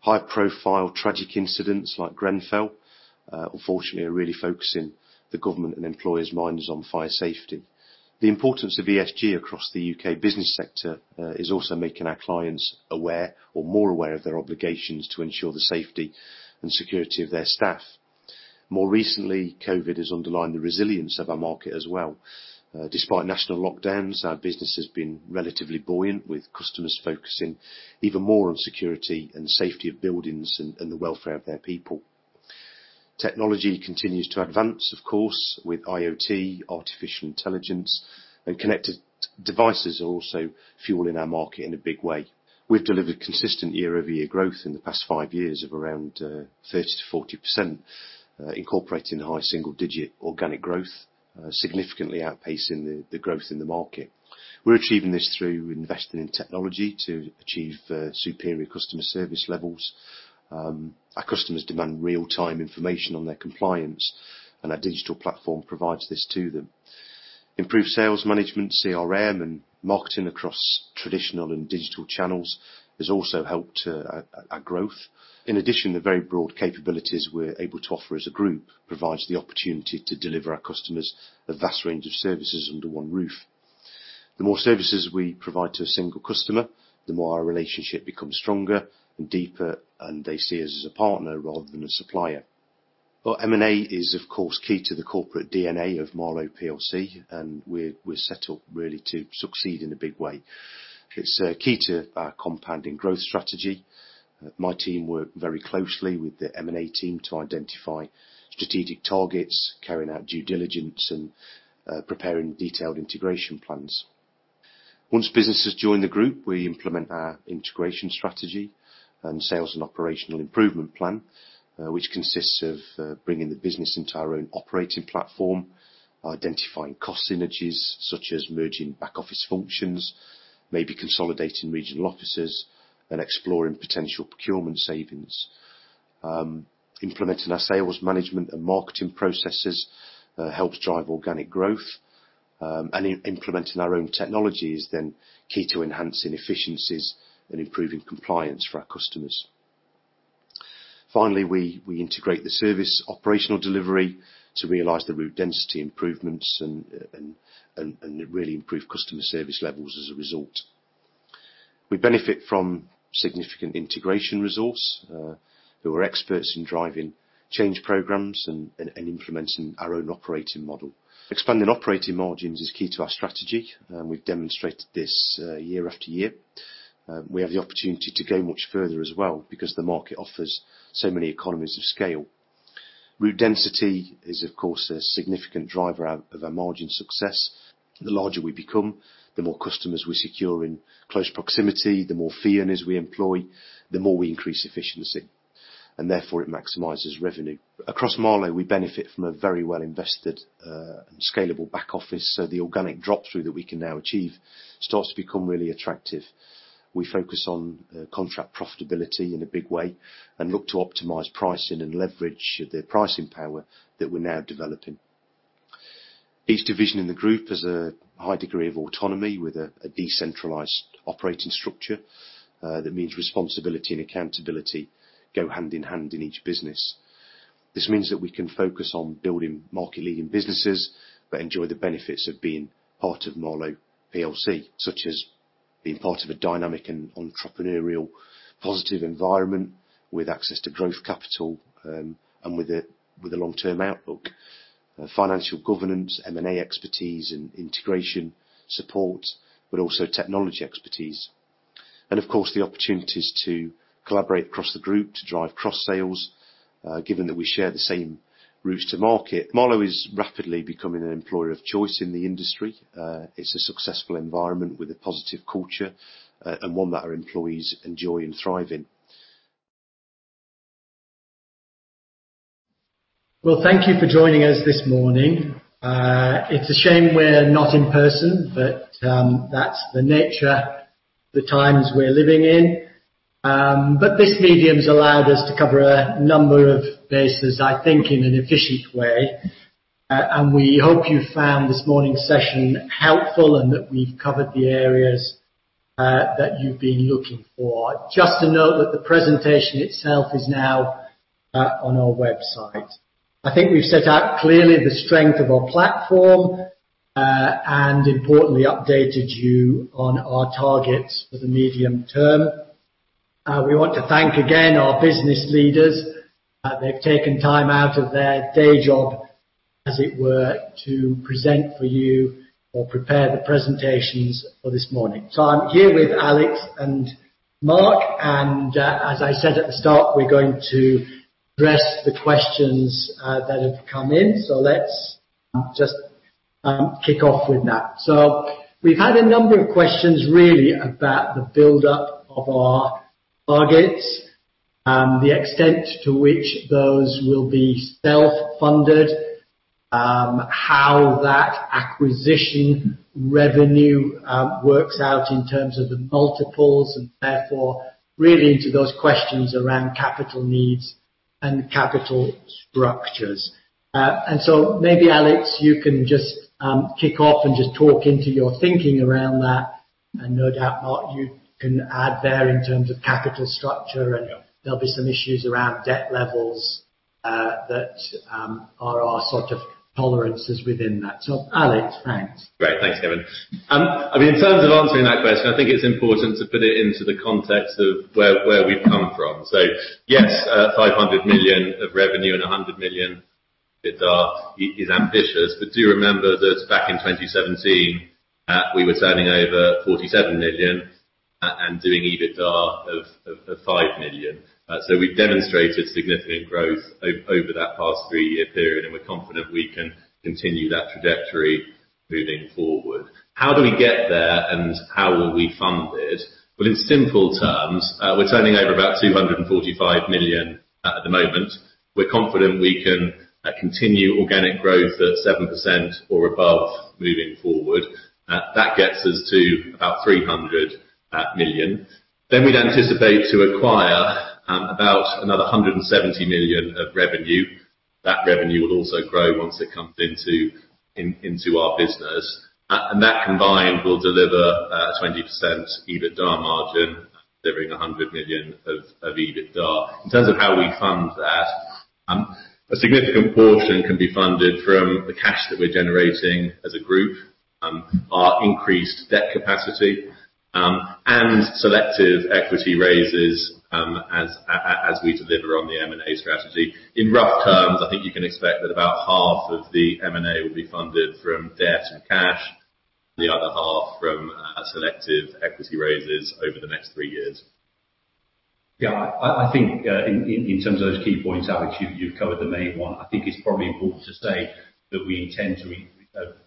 High-profile tragic incidents like Grenfell, unfortunately, are really focusing the government and employers' minds on fire safety. The importance of ESG across the U.K. business sector is also making our clients aware or more aware of their obligations to ensure the safety and security of their staff. More recently, COVID has underlined the resilience of our market as well. Despite national lockdowns, our business has been relatively buoyant, with customers focusing even more on security and safety of buildings and the welfare of their people. Technology continues to advance, of course, with IoT, artificial intelligence, and connected devices are also fueling our market in a big way. We've delivered consistent year-over-year growth in the past five years of around 30%-40%, incorporating high single-digit organic growth, significantly outpacing the growth in the market. We're achieving this through investing in technology to achieve superior customer service levels. Our customers demand real-time information on their compliance, and our digital platform provides this to them. Improved sales management, CRM, and marketing across traditional and digital channels has also helped our growth. In addition, the very broad capabilities we're able to offer as a group provides the opportunity to deliver our customers a vast range of services under one roof. The more services we provide to a single customer, the more our relationship becomes stronger and deeper, and they see us as a partner rather than a supplier. Well, M&A is, of course, key to the corporate DNA of Marlowe PLC, and we're set up really to succeed in a big way. It's key to our compounding growth strategy. My team works very closely with the M&A team to identify strategic targets, carrying out due diligence, and preparing detailed integration plans. Once businesses join the group, we implement our integration strategy and sales and operational improvement plan, which consists of bringing the business into our own operating platform, identifying cost synergies such as merging back-office functions, maybe consolidating regional offices, and exploring potential procurement savings. Implementing our sales management and marketing processes helps drive organic growth, and implementing our own technology is then key to enhancing efficiencies and improving compliance for our customers. Finally, we integrate the service operational delivery to realize the root density improvements and really improve customer service levels as a result. We benefit from significant integration resources who are experts in driving change programs and implementing our own operating model. Expanding operating margins is key to our strategy, and we've demonstrated this year after year. We have the opportunity to go much further as well because the market offers so many economies of scale. Root Density is, of course, a significant driver of our margin success. The larger we become, the more customers we secure in close proximity, the more fee earners we employ, the more we increase efficiency, and therefore it maximizes revenue. Across Marlowe, we benefit from a very well-invested and scalable back-office, so the organic drop-through that we can now achieve starts to become really attractive. We focus on contract profitability in a big way and look to optimize pricing and leverage the pricing power that we're now developing. Each division in the group has a high degree of autonomy with a decentralized operating structure. That means responsibility and accountability go hand in hand in each business. This means that we can focus on building market-leading businesses but enjoy the benefits of being part of Marlowe PLC, such as being part of a dynamic and entrepreneurial, positive environment with access to growth capital and with a long-term outlook, financial governance, M&A expertise, and integration support, but also technology expertise. And of course, the opportunities to collaborate across the group to drive cross-sales, given that we share the same routes to market. Marlowe is rapidly becoming an employer of choice in the industry. It's a successful environment with a positive culture and one that our employees enjoy and thrive in. Well, thank you for joining us this morning. It's a shame we're not in person, but that's the nature of the times we're living in. But this medium's allowed us to cover a number of bases, I think, in an efficient way. We hope you found this morning's session helpful and that we've covered the areas that you've been looking for. Just to note that the presentation itself is now on our website. I think we've set out clearly the strength of our platform and, importantly, updated you on our targets for the medium term. We want to thank again our business leaders. They've taken time out of their day job, as it were, to present for you or prepare the presentations for this morning. I'm here with Alex and Mark, and as I said at the start, we're going to address the questions that have come in. Let's just kick off with that. So we've had a number of questions, really, about the build-up of our targets, the extent to which those will be self-funded, how that acquisition revenue works out in terms of the multiples, and therefore, really, into those questions around capital needs and capital structures. And so maybe, Alex, you can just kick off and just talk into your thinking around that. And no doubt, Mark, you can add there in terms of capital structure, and there'll be some issues around debt levels that are our sort of tolerances within that. So, Alex, thanks. Great. Thanks, Kevin. I mean, in terms of answering that question, I think it's important to put it into the context of where we've come from. So, yes, 500 million of revenue and 100 million EBITDA is ambitious, but do remember that back in 2017, we were turning over 47 million and doing EBITDA of 5 million. So we've demonstrated significant growth over that past three-year period, and we're confident we can continue that trajectory moving forward. How do we get there, and how will we fund it? Well, in simple terms, we're turning over about 245 million at the moment. We're confident we can continue organic growth at 7% or above moving forward. That gets us to about 300 million. Then we'd anticipate to acquire about another 170 million of revenue. That revenue will also grow once it comes into our business. And that combined will deliver a 20% EBITDA margin, delivering 100 million of EBITDA. In terms of how we fund that, a significant portion can be funded from the cash that we're generating as a group, our increased debt capacity, and selective equity raises as we deliver on the M&A strategy. In rough terms, I think you can expect that about half of the M&A will be funded from debt and cash, the other half from selective equity raises over the next three years. Yeah, I think in terms of those key points, Alex, you've covered the main one. I think it's probably important to say that we intend to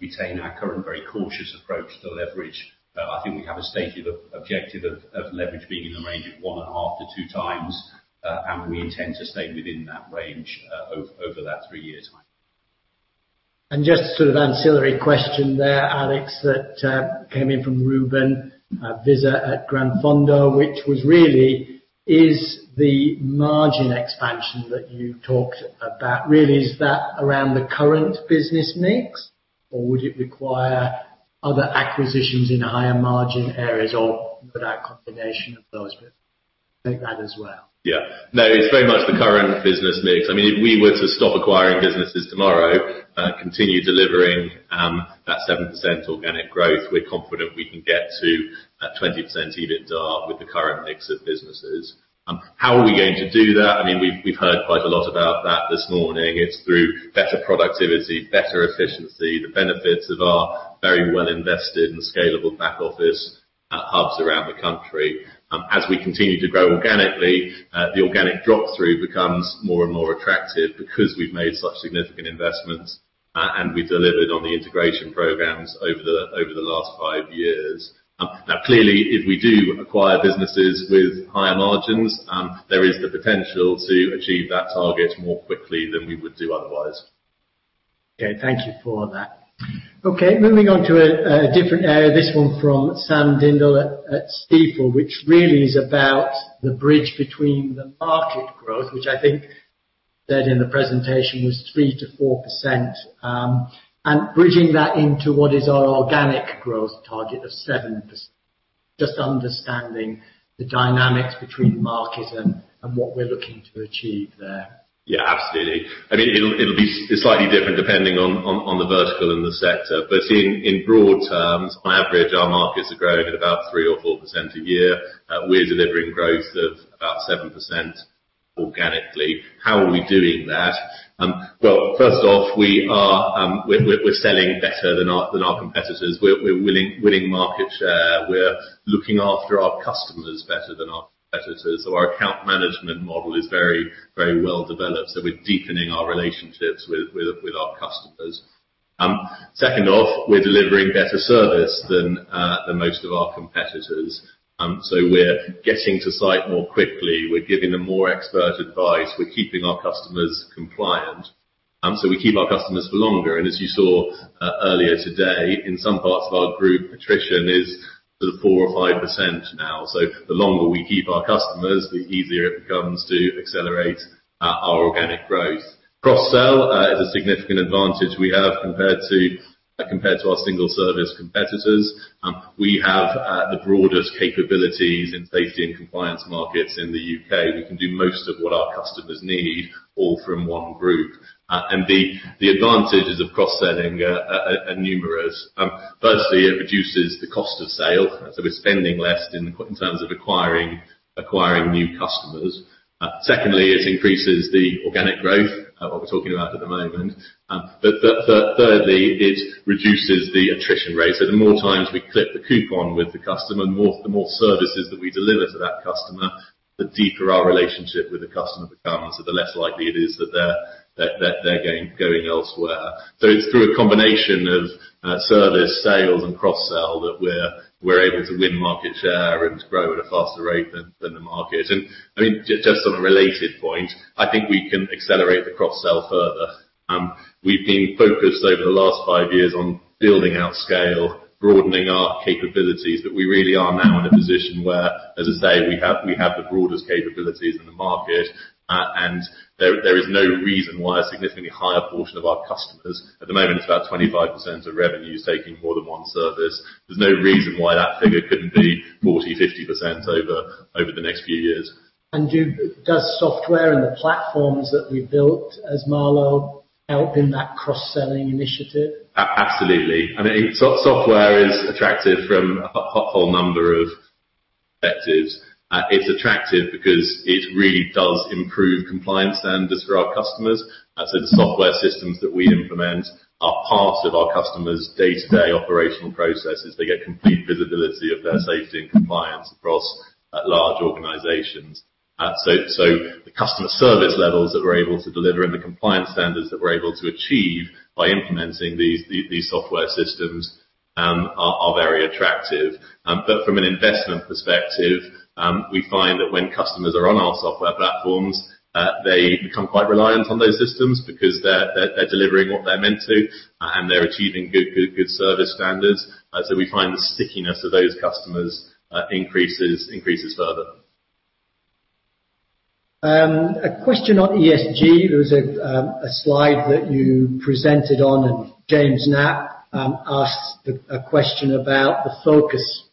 retain our current very cautious approach to leverage. I think we have a stated objective of leverage being in the range of 1.5-2x, and we intend to stay within that range over that three year time. And just sort of ancillary question there, Alex, that came in from Ruben, Visser at Gran Fondo, which was really, is the margin expansion that you talked about, really, is that around the current business mix, or would it require other acquisitions in higher margin areas, or no doubt combination of those? Take that as well. Yeah. No, it's very much the current business mix. I mean, if we were to stop acquiring businesses tomorrow and continue delivering that 7% organic growth, we're confident we can get to 20% EBITDA with the current mix of businesses. How are we going to do that? I mean, we've heard quite a lot about that this morning. It's through better productivity, better efficiency, the benefits of our very well-invested and scalable back-office at hubs around the country. As we continue to grow organically, the organic drop-through becomes more and more attractive because we've made such significant investments, and we've delivered on the integration programs over the last five years. Now, clearly, if we do acquire businesses with higher margins, there is the potential to achieve that target more quickly than we would do otherwise. Okay. Thank you for that. Okay. Moving on to a different area, this one from Samuel Dindol at Stifel, which really is about the bridge between the market growth, which I think said in the presentation was 3%-4%, and bridging that into what is our organic growth target of 7%, just understanding the dynamics between market and what we're looking to achieve there. Yeah, absolutely. I mean, it'll be slightly different depending on the vertical and the sector. But seeing in broad terms, on average, our markets are growing at about 3%-4% a year. We're delivering growth of about 7% organically. How are we doing that? Well, first off, we're selling better than our competitors. We're winning market share. We're looking after our customers better than our competitors. So our account management model is very well developed, so we're deepening our relationships with our customers. Second off, we're delivering better service than most of our competitors. So we're getting to site more quickly. We're giving them more expert advice. We're keeping our customers compliant. So we keep our customers for longer. And as you saw earlier today, in some parts of our group, attrition is sort of 4%-5% now. So the longer we keep our customers, the easier it becomes to accelerate our organic growth. Cross-sell is a significant advantage we have compared to our single-service competitors. We have the broadest capabilities in safety and compliance markets in the U.K. We can do most of what our customers need, all from one group. The advantages of cross-selling are numerous. Firstly, it reduces the cost of sale, so we're spending less in terms of acquiring new customers. Secondly, it increases the organic growth, what we're talking about at the moment. Thirdly, it reduces the attrition rate. The more times we clip the coupon with the customer, the more services that we deliver to that customer, the deeper our relationship with the customer becomes, and the less likely it is that they're going elsewhere. It's through a combination of service, sales, and cross-sell that we're able to win market share and grow at a faster rate than the market. And I mean, just on a related point, I think we can accelerate the cross-sell further. We've been focused over the last five years on building out scale, broadening our capabilities, but we really are now in a position where, as I say, we have the broadest capabilities in the market, and there is no reason why a significantly higher portion of our customers at the moment (it's about 25% of revenues taking more than one service) there's no reason why that figure couldn't be 40% to 50% over the next few years. And does software and the platforms that we've built as Marlowe help in that cross-selling initiative? Absolutely. I mean, software is attractive from a whole number of perspectives. It's attractive because it really does improve compliance standards for our customers. So the software systems that we implement are part of our customers' day-to-day operational processes. They get complete visibility of their safety and compliance across large organizations. So the customer service levels that we're able to deliver and the compliance standards that we're able to achieve by implementing these software systems are very attractive. But from an investment perspective, we find that when customers are on our software platforms, they become quite reliant on those systems because they're delivering what they're meant to, and they're achieving good service standards. So we find the stickiness of those customers increases further. A question on ESG. There was a slide that you presented on, and James Knapp asked a question about the focus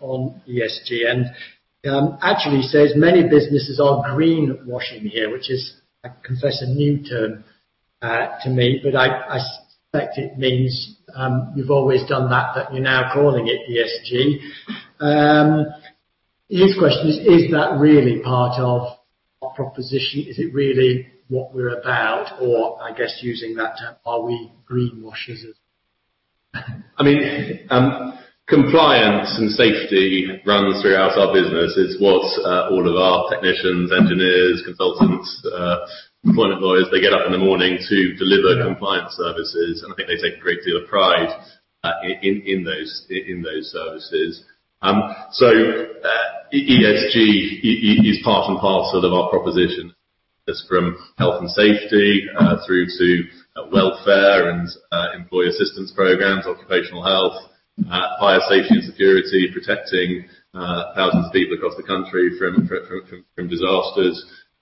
on ESG. And actually, he says, "Many businesses are greenwashing here," which is, I confess, a new term to me, but I suspect it means you've always done that, that you're now calling it ESG. His question is, "Is that really part of our proposition? Is it really what we're about?" Or, I guess, using that term, "Are we greenwashers?" I mean, compliance and safety runs throughout our business. It's what all of our technicians, engineers, consultants, employment lawyers, they get up in the morning to deliver compliance services, and I think they take a great deal of pride in those services. So ESG is part and parcel of our proposition. It's from health and safety through to welfare and employee assistance programs, occupational health, fire safety and security, protecting thousands of people across the country from disasters.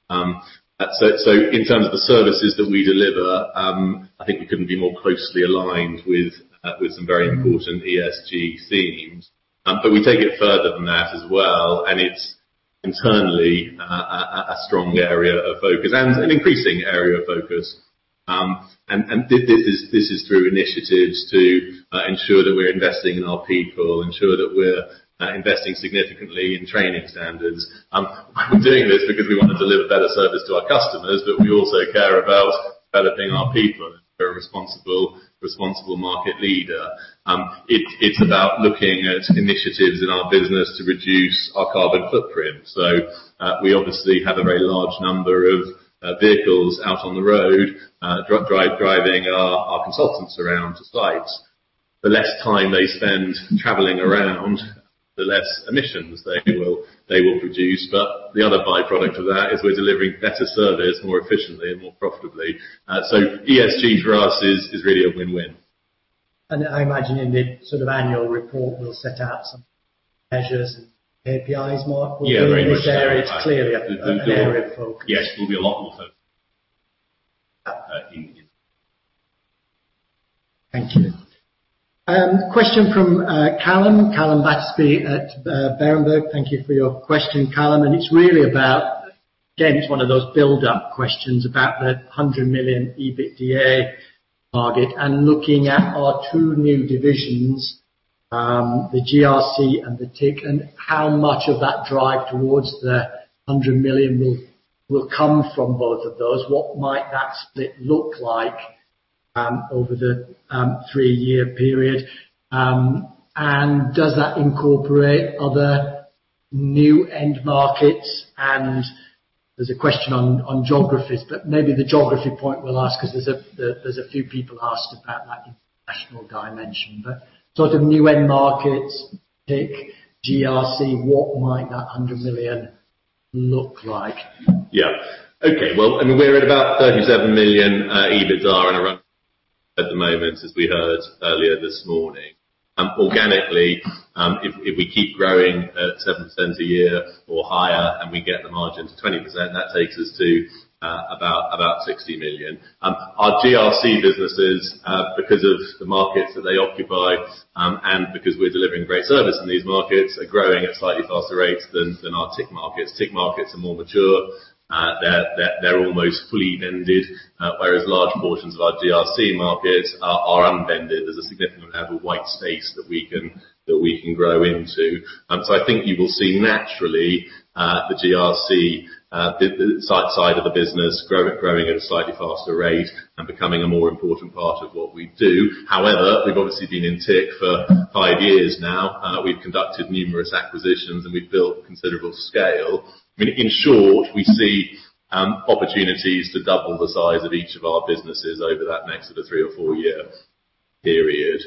So in terms of the services that we deliver, I think we couldn't be more closely aligned with some very important ESG themes. But we take it further than that as well, and it's internally a strong area of focus and an increasing area of focus. This is through initiatives to ensure that we're investing in our people, ensure that we're investing significantly in training standards. I'm doing this because we want to deliver better service to our customers, but we also care about developing our people and being a responsible market leader. It's about looking at initiatives in our business to reduce our carbon footprint. We obviously have a very large number of vehicles out on the road, driving our consultants around to sites. The less time they spend traveling around, the less emissions they will produce. But the other byproduct of that is we're delivering better service more efficiently and more profitably. ESG for us is really a win-win. And I imagine in the sort of annual report, we'll set out some measures and KPIs, Mark. We'll be in this area. It's clearly a clearer focus. Yes, we'll be a lot more focused in. Thank you. Question from Callum, Calum Battersby at Berenberg. Thank you for your question, Callum. It's really about, again, it's one of those build-up questions about the 100 million EBITDA target and looking at our two new divisions, the GRC and the TIC, and how much of that drive towards the 100 million will come from both of those. What might that split look like over the three-year period? And does that incorporate other new end markets? And there's a question on geographies, but maybe the geography point we'll ask because there's a few people asked about that international dimension. But sort of new end markets, TIC, GRC, what might that 100 million look like? Yeah. Okay. Well, I mean, we're at about 37 million EBITDA in a run-rate at the moment, as we heard earlier this morning. Organically, if we keep growing at 7% a year or higher and we get the margin to 20%, that takes us to about 60 million. Our GRC businesses, because of the markets that they occupy and because we're delivering great service in these markets, are growing a t slightly faster rates than our TIC markets. TIC markets are more mature. They're almost fully vended, whereas large portions of our GRC markets are unvended. There's a significant amount of white space that we can grow into. So I think you will see naturally the GRC side of the business growing at a slightly faster rate and becoming a more important part of what we do. However, we've obviously been in TIC for five years now. We've conducted numerous acquisitions, and we've built considerable scale. I mean, in short, we see opportunities to double the size of each of our businesses over that next sort of three or four year period.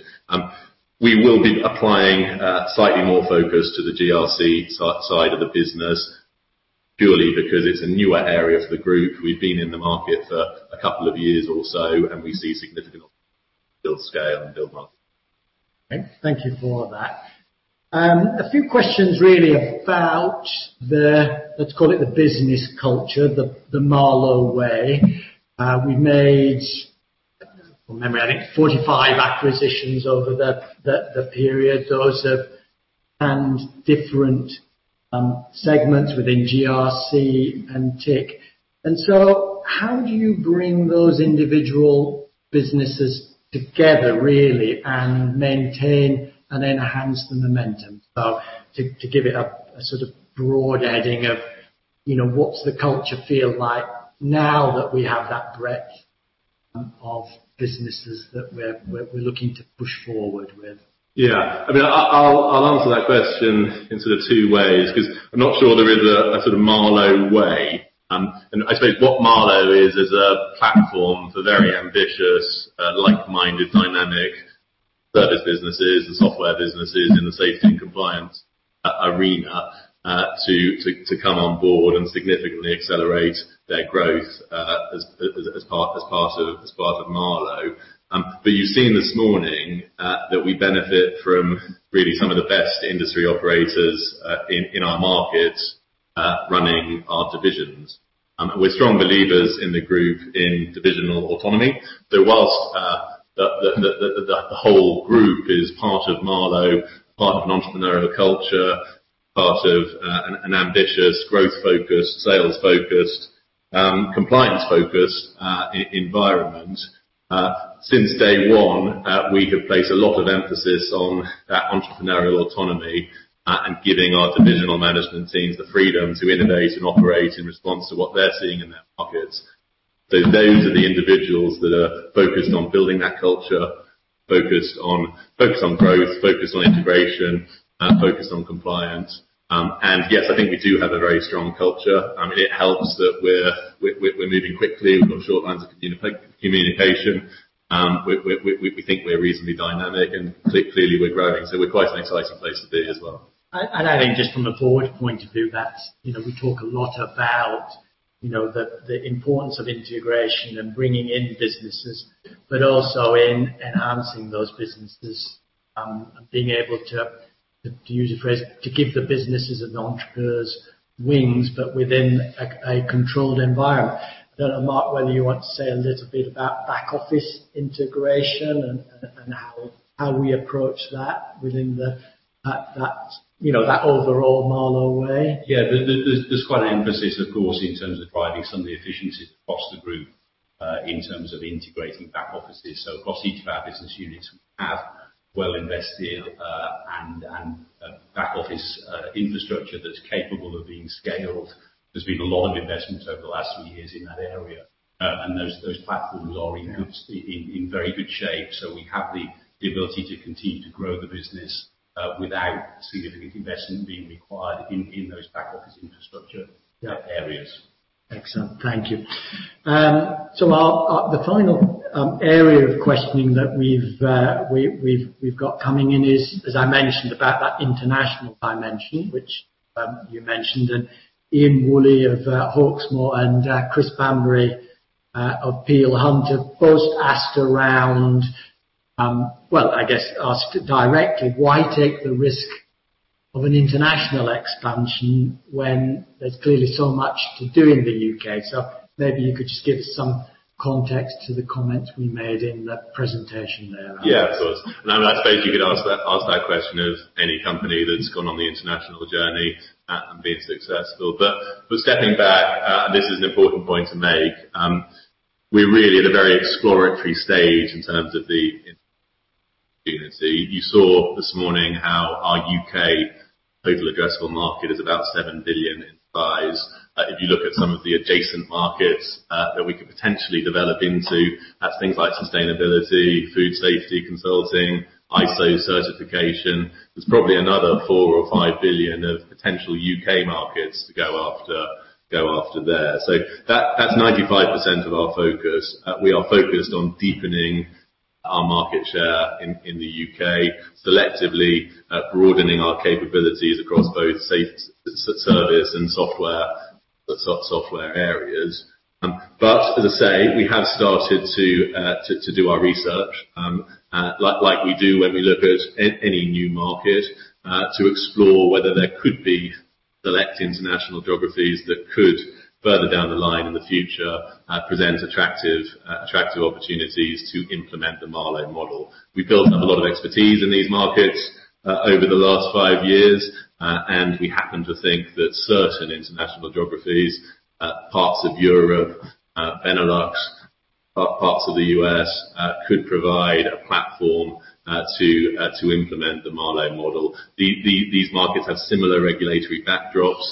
We will be applying slightly more focus to the GRC side of the business purely because it's a newer area for the group. We've been in the market for a couple of years or so, and we see significant build scale and build market. Okay. Thank you for that. A few questions really about the, let's call it the business culture, the Marlowe way. We've made, from memory, I think, 45 acquisitions over the period. Those have spanned different segments within GRC and TIC. So how do you bring those individual businesses together, really, and maintain and enhance the momentum? So to give it a sort of broad heading of what's the culture feel like now that we have that breadth of businesses that we're looking to push forward with? Yeah. I mean, I'll answer that question in sort of two ways because I'm not sure there is a sort of Marlowe way. And I suppose what Marlowe is, is a platform for very ambitious, like-minded, dynamic service businesses and software businesses in the safety and compliance arena to come on board and significantly accelerate their growth as part of Marlowe. But you've seen this morning that we benefit from really some of the best industry operators in our markets running our divisions. We're strong believers in the group in divisional autonomy. So while the whole group is part of Marlowe, part of an entrepreneurial culture, part of an ambitious, growth-focused, sales-focused, compliance-focused environment, since day one, we have placed a lot of emphasis on that entrepreneurial autonomy and giving our divisional management teams the freedom to innovate and operate in response to what they're seeing in their markets. So those are the individuals that are focused on building that culture, focused on growth, focused on integration, focused on compliance. And yes, I think we do have a very strong culture. I mean, it helps that we're moving quickly. We've got short lines of communication. We think we're reasonably dynamic, and clearly, we're growing. So we're quite an exciting place to be as well. I think just from the board point of view, we talk a lot about the importance of integration and bringing in businesses, but also in enhancing those businesses, being able to, to use your phrase, to give the businesses and the entrepreneurs wings, but within a controlled environment. I don't know, Mark, whether you want to say a little bit about back-office integration and how we approach that within that overall Marlowe way. Yeah. There's quite an emphasis, of course, in terms of driving some of the efficiencies across the group in terms of integrating back-offices. So across each of our business units, we have well-invested and back-office infrastructure that's capable of being scaled. There's been a lot of investments over the last three years in that area, and those platforms are in very good shape. So we have the ability to continue to grow the business without significant investment being required in those back-office infrastructure areas. Excellent. Thank you. So the final area of questioning that we've got coming in is, as I mentioned, about that international dimension, which you mentioned. And Ian Woolley of Hawksmoor and Chris Bamberry of Peel Hunt have both asked around, well, I guess asked directly, "Why take the risk of an international expansion when there's clearly so much to do in the U.K.?" So maybe you could just give us some context to the comments we made in the presentation there. Yeah, of course. And I suppose you could ask that question of any company that's gone on the international journey and been successful. But stepping back, and this is an important point to make, we're really at a very exploratory stage in terms of the community. You saw this morning how our U.K. total addressable market is about 7 billion in size. If you look at some of the adjacent markets that we could potentially develop into, that's things like sustainability, food safety consulting, ISO certification. There's probably another 4 billion or 5 billion of potential U.K. markets to go after there. So that's 95% of our focus. We are focused on deepening our market share in the U.K., selectively broadening our capabilities across both service and software areas. But as I say, we have started to do our research, like we do when we look at any new market, to explore whether there could be select international geographies that could, further down the line in the future, present attractive opportunities to implement the Marlowe model. We've built up a lot of expertise in these markets over the last five years, and we happen to think that certain international geographies, parts of Europe, Benelux, parts of the U.S., could provide a platform to implement the Marlowe model. These markets have similar regulatory backdrops.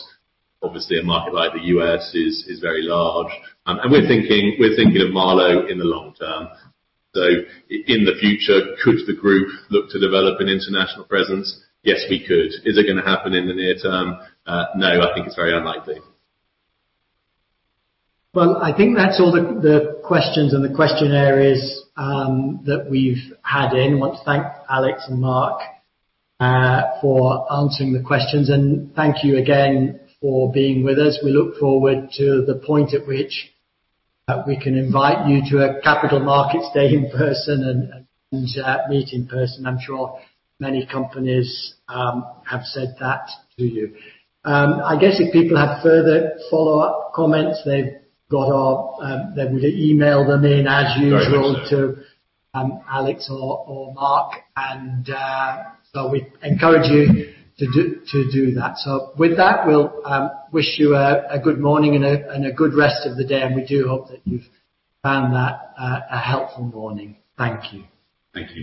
Obviously, a market like the U.S. is very large. We're thinking of Marlowe in the long term. In the future, could the group look to develop an international presence? Yes, we could. Is it going to happen in the near term? No, I think it's very unlikely. Well, I think that's all the questions and the questionnaires that we've had in. I want to thank Alex and Mark for answering the questions. Thank you again for being with us. We look forward to the point at which we can invite you to a capital markets day in person and meet in person. I'm sure many companies have said that to you. I guess if people have further follow-up comments, they've got ours. They would email them in, as usual, to Alex or Mark. And so we encourage you to do that. So with that, we'll wish you a good morning and a good rest of the day. And we do hope that you've found that a helpful morning. Thank you. Thank you.